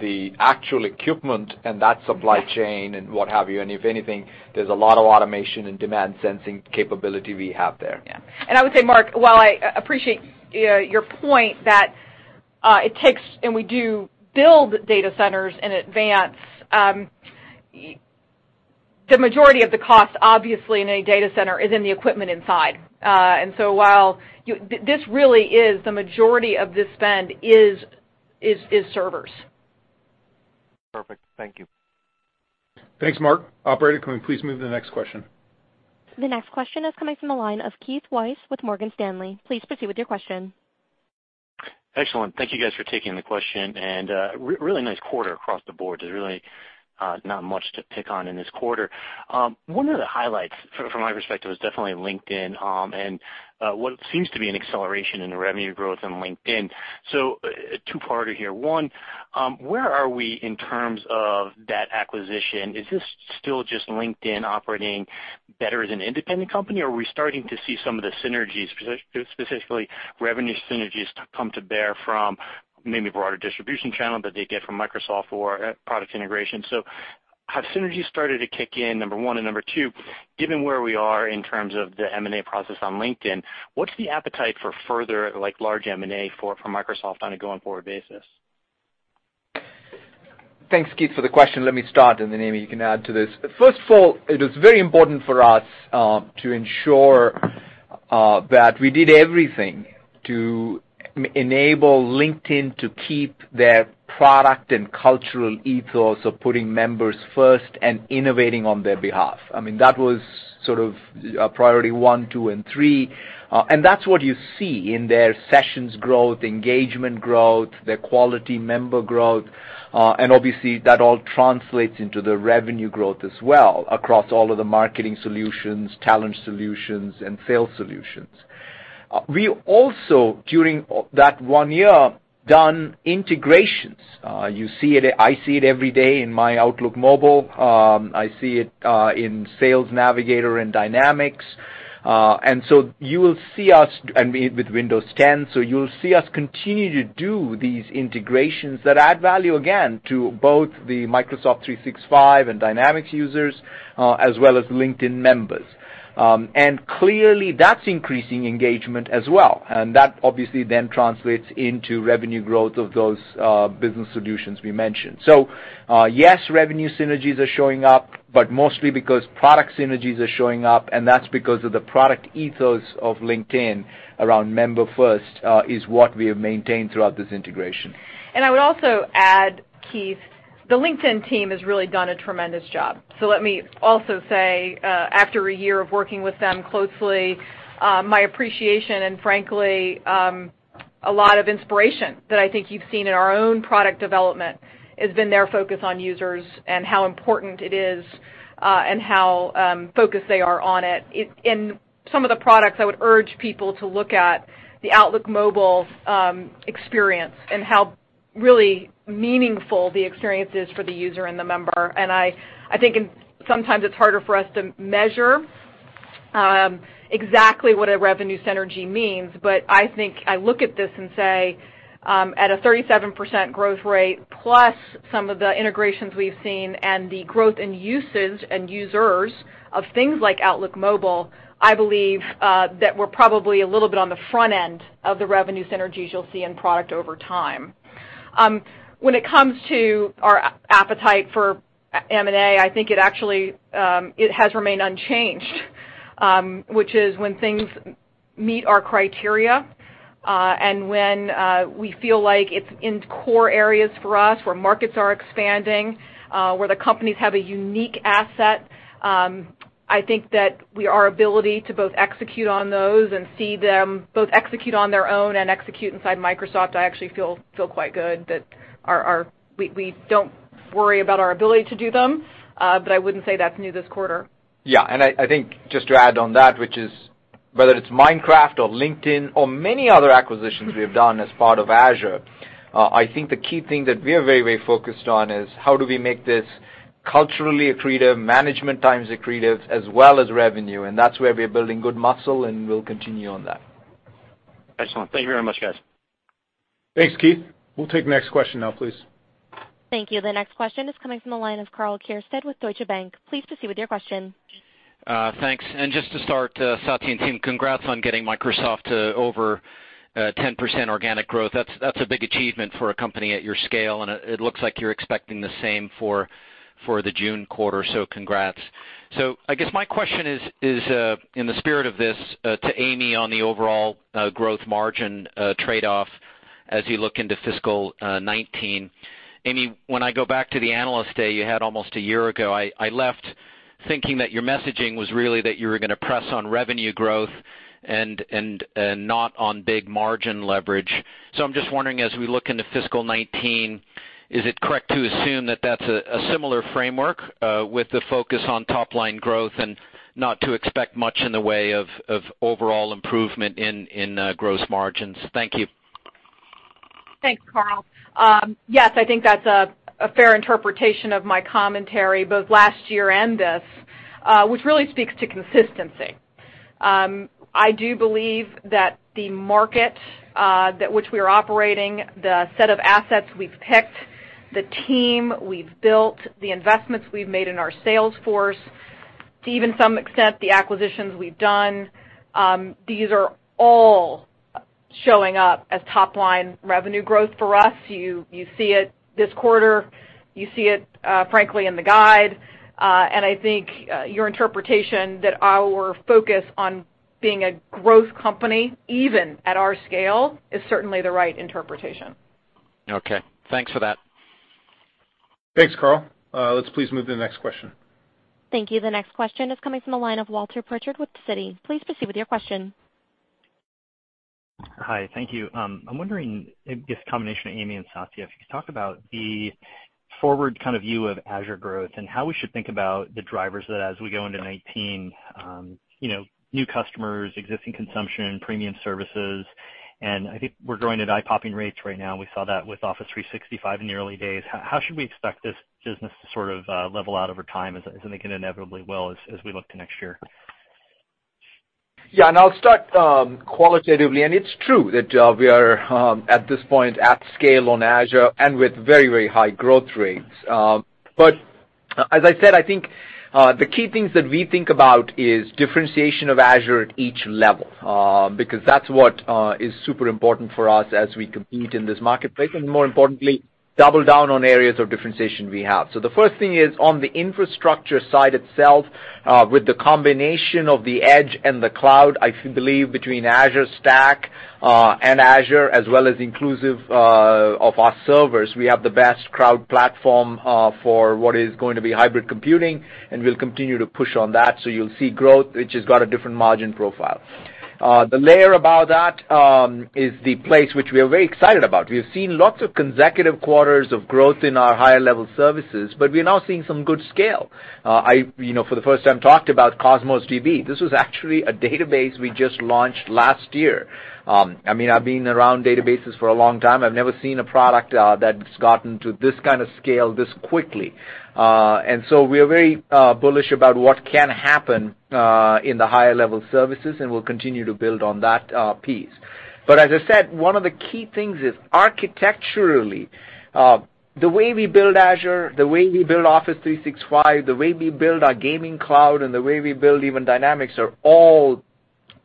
the actual equipment and that supply chain and what have you. If anything, there's a lot of automation and demand sensing capability we have there. Yeah. I would say, Mark, while I appreciate your point that it takes, and we do build data centers in advance. The majority of the cost, obviously, in a data center is in the equipment inside. While this really is the majority of this spend is servers. Perfect. Thank you. Thanks, Mark. Operator, can we please move to the next question? The next question is coming from the line of Keith Weiss with Morgan Stanley. Please proceed with your question. Excellent. Thank you guys for taking the question. Really nice quarter across the board. There's really not much to pick on in this quarter. One of the highlights from my perspective is definitely LinkedIn, and what seems to be an acceleration in the revenue growth on LinkedIn. A two-parter here. One, where are we in terms of that acquisition? Is this still just LinkedIn operating better as an independent company, or are we starting to see some of the synergies, specifically revenue synergies come to bear from maybe broader distribution channel that they get from Microsoft or product integration? So have synergies started to kick in, number one? Number two, given where we are in terms of the M&A process on LinkedIn, what's the appetite for further, like, large M&A for Microsoft on a going forward basis? Thanks, Keith, for the question. Let me start, then, Amy, you can add to this. First of all, it is very important for us to ensure that we did everything to enable LinkedIn to keep their product and cultural ethos of putting members first and innovating on their behalf. I mean, that was sort of priority one, two, and three, that's what you see in their sessions growth, engagement growth, their quality member growth, and obviously that all translates into the revenue growth as well across all of the marketing solutions, talent solutions, and field solutions. We also, during that one year, done integrations. You see it, I see it every day in my Outlook Mobile. I see it in Sales Navigator and Dynamics. You will see us with Windows 10, continue to do these integrations that add value, again, to both the Microsoft and Dynamics users, as well as LinkedIn members. Clearly that's increasing engagement as well, that obviously then translates into revenue growth of those business solutions we mentioned. Yes, revenue synergies are showing up, mostly because product synergies are showing up, and that's because of the product ethos of LinkedIn around member first, is what we have maintained throughout this integration. I would also add, Keith, the LinkedIn team has really done a tremendous job. Let me also say, after a year of working with them closely, my appreciation and frankly, a lot of inspiration that I think you've seen in our own product development has been their focus on users and how important it is, and how focused they are on it. In some of the products, I would urge people to look at the Outlook Mobile experience and how really meaningful the experience is for the user and the member. I think sometimes it's harder for us to measure exactly what a revenue synergy means, but I think I look at this and say, at a 37% growth rate plus some of the integrations we've seen and the growth in uses and users of things like Outlook Mobile, I believe that we're probably a little bit on the front end of the revenue synergies you'll see in product over time. When it comes to our appetite for M&A, I think it actually, it has remained unchanged, which is when things meet our criteria, and when we feel like it's in core areas for us, where markets are expanding, where the companies have a unique asset, I think that our ability to both execute on those and see them both execute on their own and execute inside Microsoft, I actually feel quite good that we don't worry about our ability to do them, but I wouldn't say that's new this quarter. Yeah. I think just to add on that, which is whether it's Minecraft or LinkedIn or many other acquisitions we have done as part of Azure, I think the key thing that we are very, very focused on is how do we make this culturally accretive, management times accretive as well as revenue, and that's where we're building good muscle, and we'll continue on that. Excellent. Thank you very much, guys. Thanks, Keith. We'll take the next question now, please. Thank you. The next question is coming from the line of Karl Keirstead with Deutsche Bank. Please proceed with your question. Thanks. Just to start, Satya and team, congrats on getting Microsoft to over 10% organic growth. That's a big achievement for a company at your scale, and it looks like you're expecting the same for the June quarter. Congrats. I guess my question is in the spirit of this to Amy on the overall growth margin trade-off as you look into fiscal 2019. Amy, when I go back to the analyst day you had almost a year ago, I left thinking that your messaging was really that you were gonna press on revenue growth and not on big margin leverage. I'm just wondering, as we look into fiscal 2019, is it correct to assume that that's a similar framework, with the focus on top-line growth and not to expect much in the way of overall improvement in gross margins? Thank you. Thanks, Karl. Yes, I think that's a fair interpretation of my commentary both last year and this, which really speaks to consistency. I do believe that the market that which we are operating, the set of assets we've picked, the team we've built, the investments we've made in our sales force. To even some extent, the acquisitions we've done, these are all showing up as top-line revenue growth for us. You, you see it this quarter, you see it, frankly, in the guide. I think, your interpretation that our focus on being a growth company, even at our scale, is certainly the right interpretation. Okay. Thanks for that. Thanks, Karl. Let's please move to the next question. Thank you. The next question is coming from the line of Walter Pritchard with Citi. Please proceed with your question. Hi, thank you. I'm wondering if this combination of Amy and Satya, if you could talk about the forward kind of view of Azure growth and how we should think about the drivers that as we go into 2019, you know, new customers, existing consumption, premium services, I think we're growing at eye-popping rates right now, and we saw that with Office 365 in the early days. How should we expect this business to sort of level out over time, as I think it inevitably will as we look to next year? Yeah, I'll start qualitatively. It's true that we are at this point at scale on Azure and with very, very high growth rates. As I said, I think the key things that we think about is differentiation of Azure at each level, because that's what is super important for us as we compete in this marketplace, and more importantly, double down on areas of differentiation we have. The first thing is on the infrastructure side itself, with the combination of the Edge and the cloud, I believe between Azure Stack and Azure, as well as inclusive of our servers, we have the best cloud platform for what is going to be hybrid computing, and we'll continue to push on that. You'll see growth, which has got a different margin profile. The layer above that is the place which we are very excited about. We have seen lots of consecutive quarters of growth in our higher level services, but we are now seeing some good scale. I, you know, for the first time talked about Cosmos DB. This was actually a database we just launched last year. I mean, I've been around databases for a long time. I've never seen a product that's gotten to this kind of scale this quickly. We are very bullish about what can happen in the higher-level services, and we'll continue to build on that piece. But as I said, one of the key things is architecturally, the way we build Azure, the way we build Office 365, the way we build our gaming cloud, and the way we build even Dynamics are all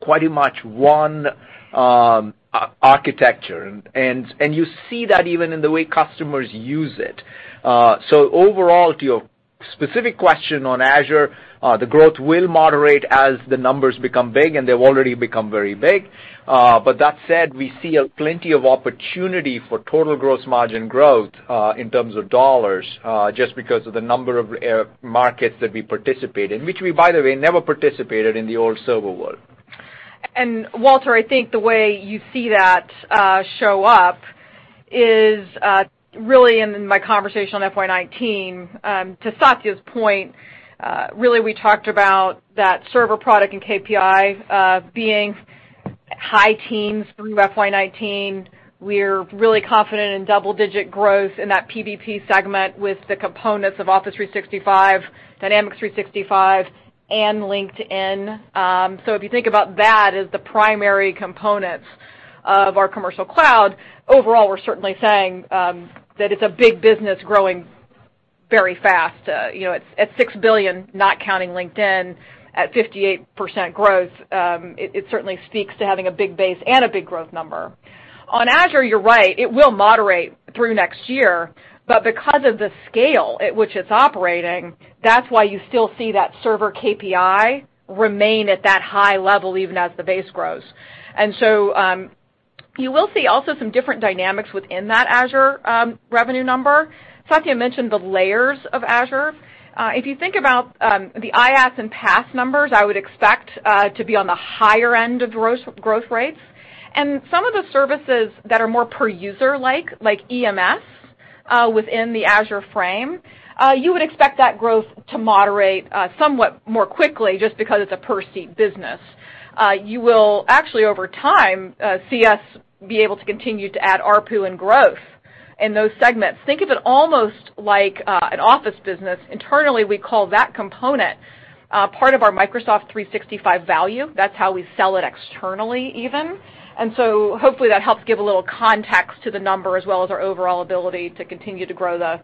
pretty much one architecture. And you see that even in the way customers use it. So overall, to your specific question on Azure, the growth will moderate as the numbers become big, and they've already become very big. That said, we see plenty of opportunity for total gross margin growth, in terms of dollars, just because of the number of markets that we participate in, which we, by the way, never participated in the old server world. Walter, I think the way you see that show up is really in my conversation on FY 2019, to Satya's point, really we talked about that server product and KPI being high teens through FY 2019. We're really confident in double-digit growth in that PBP segment with the components of Office 365, Dynamics 365, and LinkedIn. If you think about that as the primary components of our commercial cloud, overall, we're certainly saying that it's a big business growing very fast. You know, at $6 billion, not counting LinkedIn at 58% growth, it certainly speaks to having a big base and a big growth number. On Azure, you're right, it will moderate through next year. Because of the scale at which it's operating, that's why you still see that server KPI remain at that high level even as the base grows. You will see also some different dynamics within that Azure revenue number. Satya mentioned the layers of Azure. If you think about the IaaS and PaaS numbers, I would expect to be on the higher end of growth rates. Some of the services that are more per user like EMS, within the Azure frame, you would expect that growth to moderate somewhat more quickly just because it's a per seat business. You will actually over time see us be able to continue to add ARPU and growth in those segments. Think of it almost like, an Office business. Internally, we call that component, part of our Microsoft 365 value. That's how we sell it externally even. Hopefully that helps give a little context to the number as well as our overall ability to continue to grow the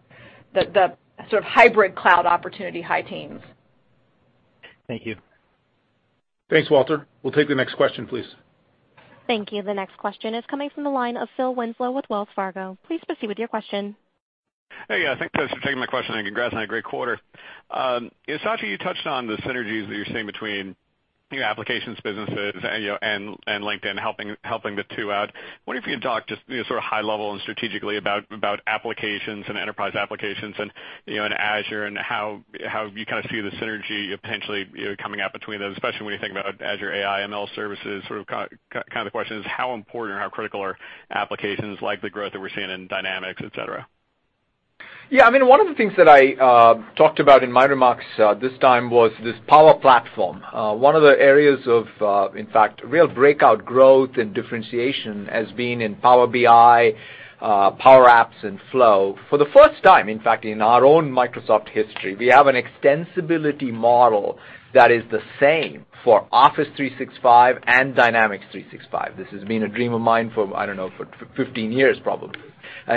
sort of hybrid cloud opportunity high teens. Thank you. Thanks, Walter. We'll take the next question, please. Thank you. The next question is coming from the line of Phil Winslow with Wells Fargo. Please proceed with your question. Hey, thanks for taking my question and congrats on a great quarter. Satya, you touched on the synergies that you're seeing between, you know, applications businesses and, you know, and LinkedIn helping the two out. Wonder if you could talk just, you know, sort of high level and strategically about applications and enterprise applications and, you know, and Azure and how you kind of see the synergy potentially, you know, coming out between those, especially when you think about Azure AI, ML services. Sort of kind of the question is how important or how critical are applications like the growth that we're seeing in Dynamics, et cetera? Yeah, I mean, one of the things that I talked about in my remarks this time was this Power Platform. One of the areas of, in fact, real breakout growth and differentiation has been in Power BI, Power Apps and Flow. For the first time, in fact, in our own Microsoft history, we have an extensibility model that is the same for Office 365 and Dynamics 365. This has been a dream of mine for, I don't know, for 15 years probably.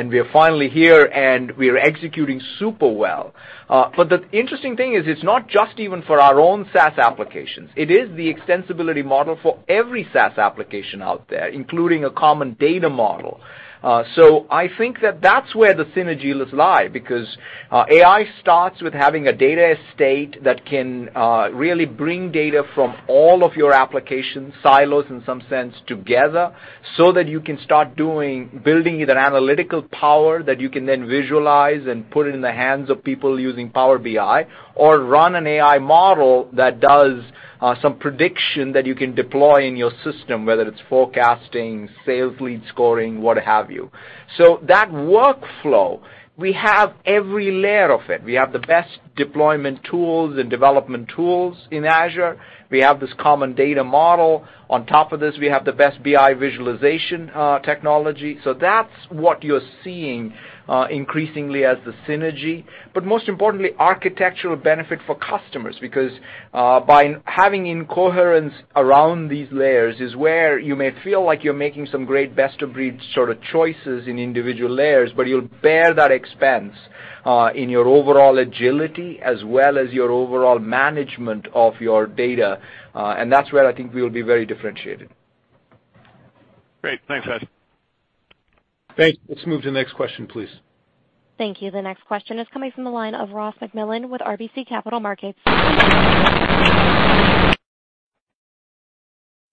We are finally here, and we are executing super well. The interesting thing is it's not just even for our own SaaS applications. It is the extensibility model for every SaaS application out there, including a common data model. I think that that's where the synergies lie because AI starts with having a data estate that can really bring data from all of your application silos in some sense together so that you can start building that analytical power that you can then visualize and put it in the hands of people using Power BI or run an AI model that does some prediction that you can deploy in your system, whether it's forecasting, sales lead scoring, what have you. That workflow, we have every layer of it. We have the best deployment tools and development tools in Azure. We have this common data model. On top of this, we have the best BI visualization technology. That's what you're seeing, increasingly as the synergy, but most importantly, architectural benefit for customers because, by having incoherence around these layers is where you may feel like you're making some great best of breed sort of choices in individual layers, but you'll bear that expense, in your overall agility as well as your overall management of your data. That's where I think we will be very differentiated. Great. Thanks, Satya. Thanks. Let's move to the next question, please. Thank you. The next question is coming from the line of Ross MacMillan with RBC Capital Markets.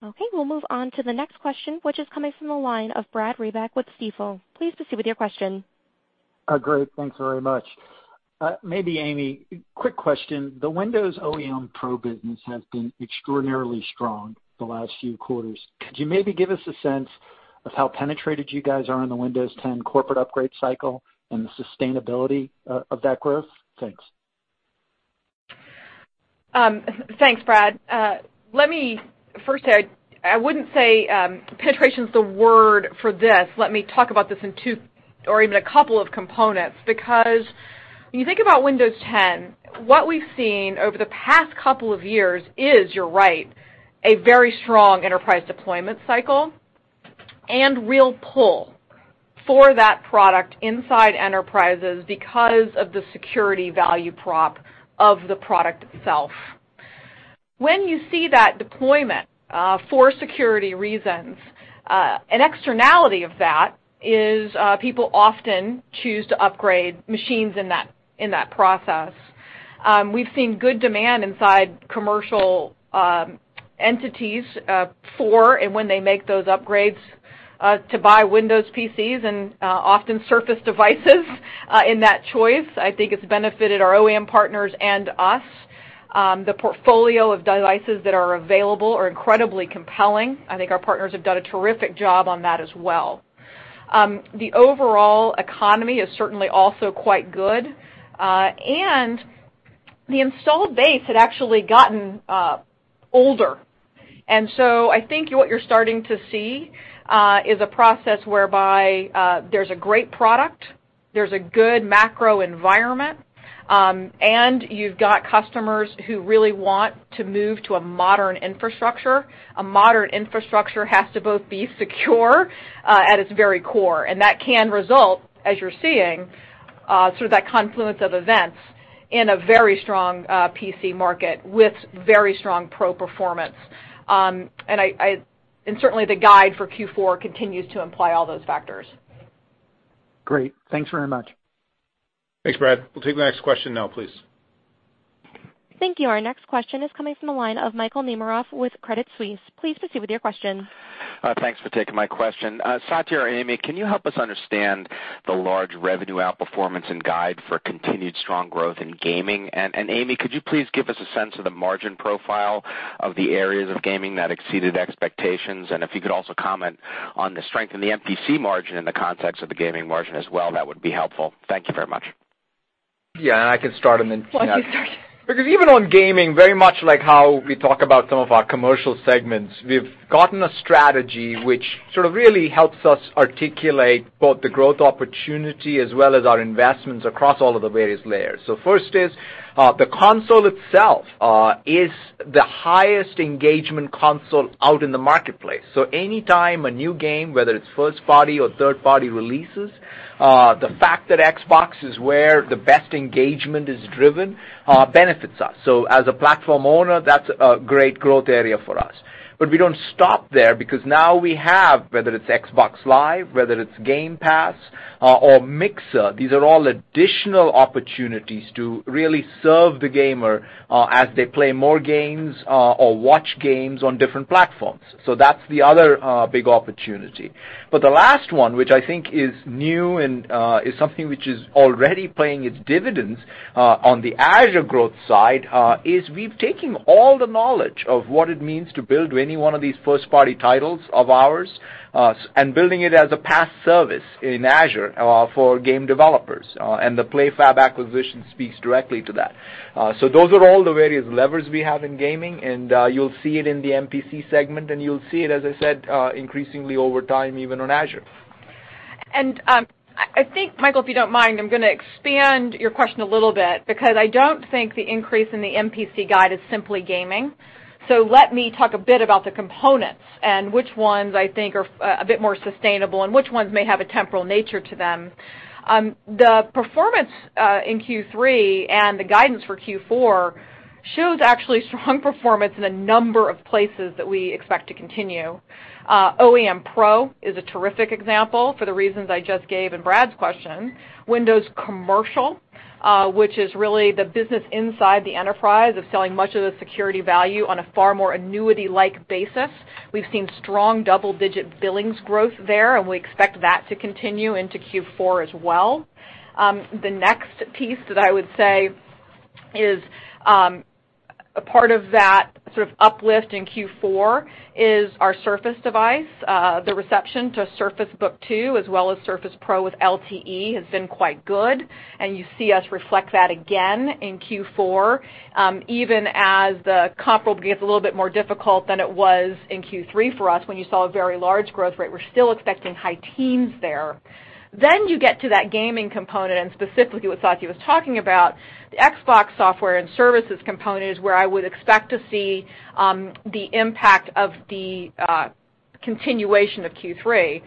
Okay, we'll move on to the next question, which is coming from the line of Brad Reback with Stifel. Please proceed with your question. Great. Thanks very much. Maybe Amy, quick question. The Windows OEM Pro business has been extraordinarily strong the last few quarters. Could you maybe give us a sense of how penetrated you guys are in the Windows 10 corporate upgrade cycle and the sustainability of that growth? Thanks. Thanks, Brad. First, I wouldn't say penetration is the word for this. Let me talk about this in two or a couple of components because when you think about Windows 10, what we've seen over the past couple of years is, you're right, a very strong enterprise deployment cycle and real pull for that product inside enterprises because of the security value prop of the product itself. When you see that deployment, for security reasons, an externality of that is people often choose to upgrade machines in that process. We've seen good demand inside commercial entities for and when they make those upgrades, to buy Windows PCs and often Surface devices in that choice. I think it's benefited our OEM partners and us. The portfolio of devices that are available are incredibly compelling. I think our partners have done a terrific job on that as well. The overall economy is certainly also quite good, and the install base had actually gotten older. I think what you're starting to see is a process whereby there's a great product, there's a good macro environment, and you've got customers who really want to move to a modern infrastructure. A modern infrastructure has to both be secure at its very core, and that can result, as you're seeing, through that confluence of events in a very strong PC market with very strong Pro performance. Certainly, the guide for Q4 continues to imply all those factors. Great. Thanks very much. Thanks, Brad. We'll take the next question now, please. Thank you. Our next question is coming from the line of Michael Nemeroff with Credit Suisse. Please proceed with your question. Thanks for taking my question. Satya or Amy, can you help us understand the large revenue outperformance and guide for continued strong growth in gaming? Amy, could you please give us a sense of the margin profile of the areas of gaming that exceeded expectations? If you could also comment on the strength in the MPC margin in the context of the gaming margin as well, that would be helpful. Thank you very much. Yeah, I can start. Well, you can start. Even on gaming, very much like how we talk about some of our commercial segments, we've gotten a strategy which really helps us articulate both the growth opportunity as well as our investments across all of the various layers. First is, the console itself is the highest engagement console out in the marketplace. Anytime a new game, whether it's first party or third party releases, the fact that Xbox is where the best engagement is driven benefits us. As a platform owner, that's a great growth area for us. We don't stop there because now we have, whether it's Xbox Live, whether it's Game Pass or Mixer, these are all additional opportunities to really serve the gamer as they play more games or watch games on different platforms. That's the other big opportunity. The last one, which I think is new and is something which is already paying its dividends on the Azure growth side, is we've taken all the knowledge of what it means to build any one of these first-party titles of ours and building it as a PaaS service in Azure for game developers and the PlayFab acquisition speaks directly to that. Those are all the various levers we have in gaming, and you'll see it in the MPC segment, and you'll see it, as I said, increasingly over time, even on Azure. I think, Michael, if you don't mind, I'm going to expand your question a little bit because I don't think the increase in the MPC guide is simply gaming. Let me talk a bit about the components and which ones I think are a bit more sustainable and which ones may have a temporal nature to them. The performance in Q3 and the guidance for Q4 shows actually strong performance in a number of places that we expect to continue. OEM Pro is a terrific example for the reasons I just gave in Brad's question. Windows Commercial, which is really the business inside the enterprise of selling much of the security value on a far more annuity-like basis. We've seen strong double-digit billings growth there, and we expect that to continue into Q4 as well. The next piece that I would say is a part of that sort of uplift in Q4 is our Surface device. The reception to Surface Book 2, as well as Surface Pro with LTE has been quite good, and you see us reflect that again in Q4. Even as the comparable gets a little bit more difficult than it was in Q3 for us, when you saw a very large growth rate, we're still expecting high teens there. You get to that gaming component and specifically what Satya was talking about. The Xbox software and services component is where I would expect to see the impact of the continuation of Q3.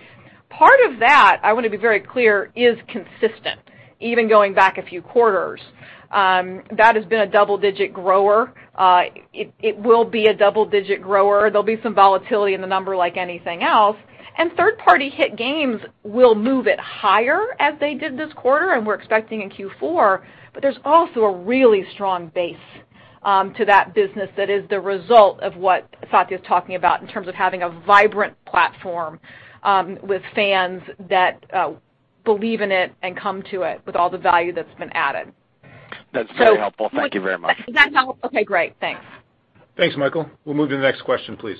Part of that, I wanna be very clear, is consistent even going back a few quarters. That has been a double-digit grower. It will be a double-digit grower. There'll be some volatility in the number like anything else, third-party hit games will move it higher as they did this quarter, we're expecting in Q4. There's also a really strong base to that business that is the result of what Satya's talking about in terms of having a vibrant platform with fans that believe in it and come to it with all the value that's been added. That's very helpful. Thank you very much. Does that help? Okay, great. Thanks. Thanks, Michael. We'll move to the next question, please.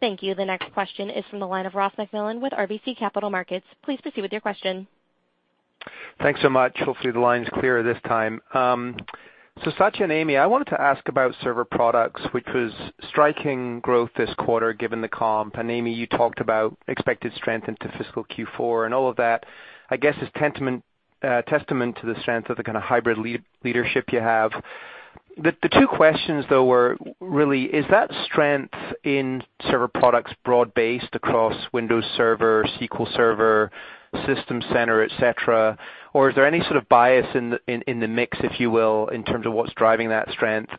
Thank you. The next question is from the line of Ross MacMillan with RBC Capital Markets. Please proceed with your question. Thanks so much. Hopefully, the line's clear this time. Satya and Amy, I wanted to ask about server products, which was striking growth this quarter, given the comp. Amy, you talked about expected strength into fiscal Q4 and all of that, I guess, is testament to the strength of the kind of hybrid leadership you have. The two questions, though, were really, is that strength in server products broad-based across Windows Server, SQL Server, System Center, et cetera, or is there any sort of bias in the mix, if you will, in terms of what's driving that strength?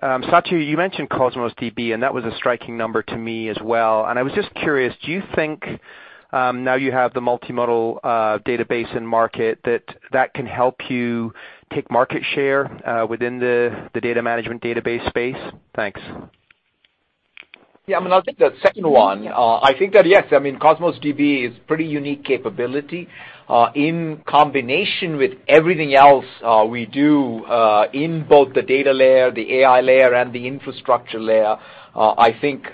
Satya, you mentioned Cosmos DB, and that was a striking number to me as well. I was just curious, do you think, now you have the multimodal database in market, that can help you take market share within the data management database space? Thanks. Yeah, I mean, I'll take the second one. I think that, yes, I mean, Cosmos DB is pretty unique capability. In combination with everything else, we do, in both the data layer, the AI layer, and the infrastructure layer, I think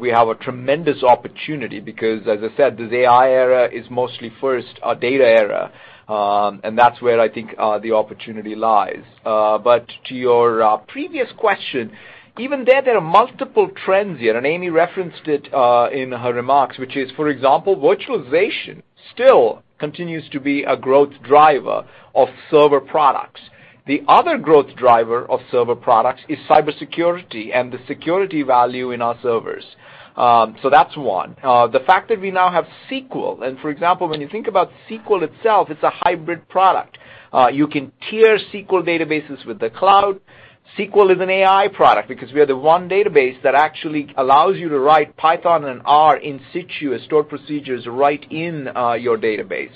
we have a tremendous opportunity because, as I said, this AI era is mostly first a data era. That's where I think the opportunity lies. To your previous question, even there are multiple trends here, and Amy referenced it in her remarks, which is, for example, virtualization still continues to be a growth driver of server products. The other growth driver of server products is cybersecurity and the security value in our servers. That's one. The fact that we now have SQL, for example, when you think about SQL itself, it's a hybrid product. You can tier SQL databases with the cloud. SQL is an AI product because we are the one database that actually allows you to write Python and R in situ as stored procedures right in your database.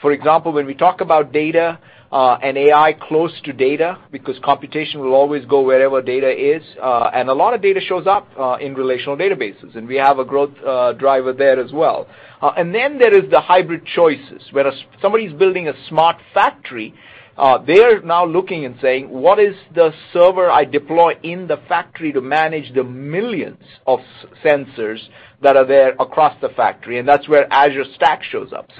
For example, when we talk about data, and AI close to data because computation will always go wherever data is, and a lot of data shows up in relational databases, and we have a growth driver there as well. Then there is the hybrid choices. Whereas somebody's building a smart factory, they're now looking and saying, "What is the server I deploy in the factory to manage the millions of sensors that are there across the factory?" That's where Azure Stack shows up.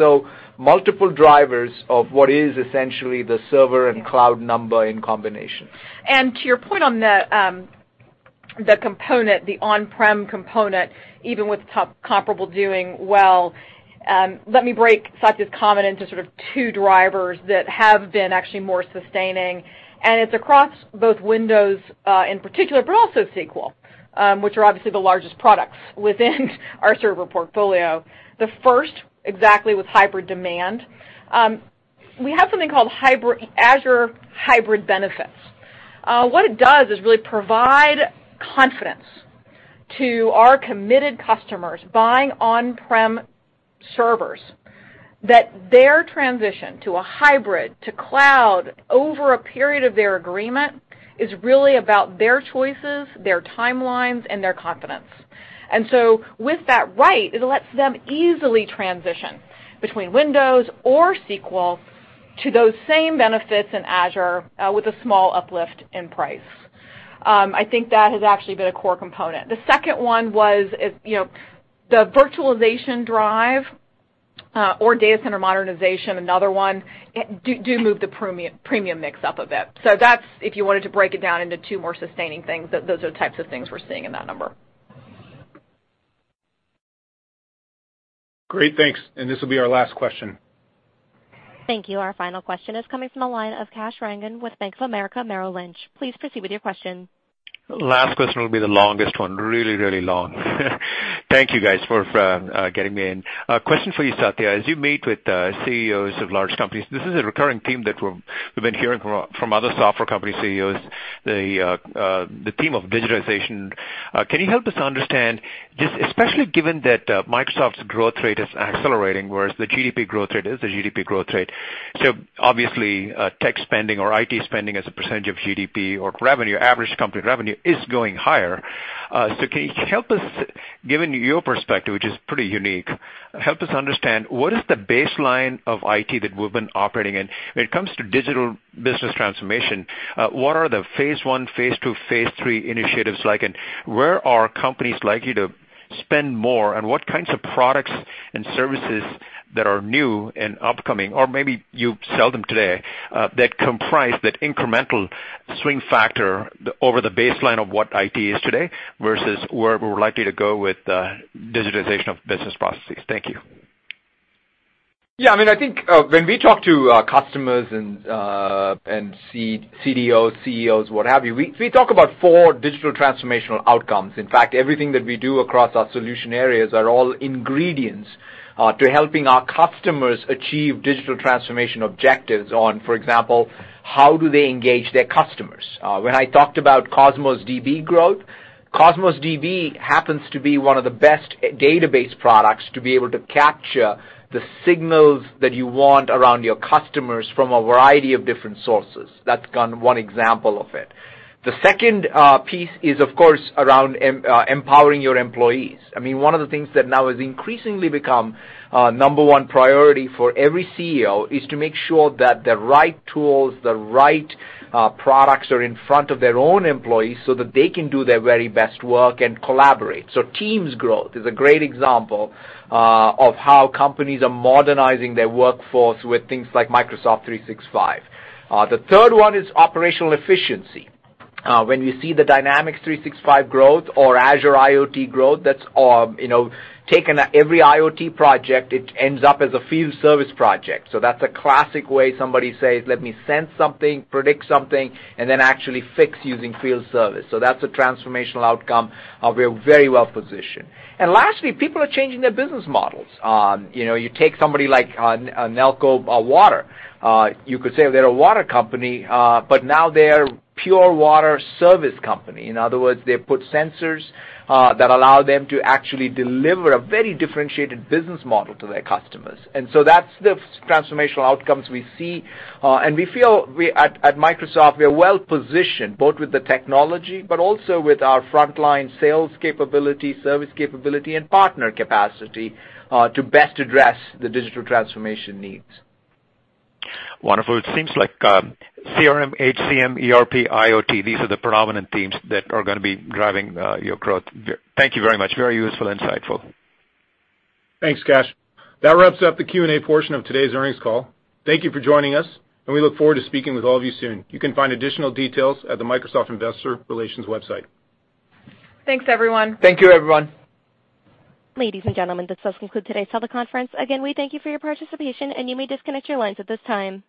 Multiple drivers of what is essentially the server and cloud number in combination. To your point on the component, the on-prem component, even with comparable doing well, let me break Satya's comment into sort of two drivers that have been actually more sustaining, and it's across both Windows, in particular, but also SQL, which are obviously the largest products within our server portfolio. The first, exactly with hybrid demand. We have something called Azure Hybrid Benefit. What it does is really provide confidence to our committed customers buying on-prem servers that their transition to a hybrid to cloud over a period of their agreement is really about their choices, their timelines, and their confidence. With that right, it lets them easily transition between Windows or SQL to those same benefits in Azure, with a small uplift in price. I think that has actually been a core component. The second one was, you know, the virtualization or data center modernization, another one. It do move the premium mix up a bit. That's if you wanted to break it down into two more sustaining things, those are the types of things we're seeing in that number. Great. Thanks. This will be our last question. Thank you. Our final question is coming from the line of Kash Rangan with Bank of America Merrill Lynch. Please proceed with your question. Last question will be the longest one, really, really long. Thank you guys for getting me in. Question for you, Satya. As you meet with CEOs of large companies, this is a recurring theme that we've been hearing from other software company CEOs, the theme of digitization. Can you help us understand this, especially given that Microsoft's growth rate is accelerating, whereas the GDP growth rate is the GDP growth rate. Obviously, tech spending or IT spending as a percentage of GDP or revenue, average company revenue is going higher. Can you help us, given your perspective, which is pretty unique, help us understand what is the baseline of IT that we've been operating in? When it comes to digital business transformation, what are the phase one, phase two, phase three initiatives like? Where are companies likely to spend more? What kinds of products and services that are new and upcoming, or maybe you sell them today, that comprise that incremental swing factor over the baseline of what IT is today versus where we're likely to go with digitization of business processes? Thank you. Yeah, I mean, I think, when we talk to our customers and CDOs, CEOs, what have you, we talk about four digital transformational outcomes. In fact, everything that we do across our solution areas are all ingredients to helping our customers achieve digital transformation objectives on, for example, how do they engage their customers? When I talked about Cosmos DB growth, Cosmos DB happens to be one of the best database products to be able to capture the signals that you want around your customers from a variety of different sources. That's kind of one example of it. The second piece is of course around empowering your employees. I mean, one of the things that now has increasingly become a number 1 priority for every CEO is to make sure that the right tools, the right products are in front of their own employees so that they can do their very best work and collaborate. Teams growth is a great example of how companies are modernizing their workforce with things like Microsoft 365. The third one is operational efficiency. When you see the Dynamics 365 growth or Azure IoT growth, that's all, you know, taken every IoT project, it ends up as a field service project. That's a classic way somebody says, "Let me sense something, predict something, and then actually fix using field service." That's a transformational outcome; we're very well positioned. Lastly, people are changing their business models. You know, you take somebody like a Nalco Water. You could say they're a water company, but now they're pure water service company. In other words, they put sensors that allow them to actually deliver a very differentiated business model to their customers. That's the transformational outcomes we see. We feel we at Microsoft, we are well positioned, both with the technology, but also with our frontline sales capability, service capability, and partner capacity to best address the digital transformation needs. Wonderful. It seems like CRM, HCM, ERP, IoT, these are the predominant themes that are gonna be driving your growth. Thank you very much. Very useful, insightful. Thanks, Kash. That wraps up the Q&A portion of today's earnings call. Thank you for joining us, and we look forward to speaking with all of you soon. You can find additional details at the Microsoft Investor Relations website. Thanks, everyone. Thank you, everyone. Ladies and gentlemen, this does conclude today's teleconference. Again, we thank you for your participation, and you may disconnect your lines at this time.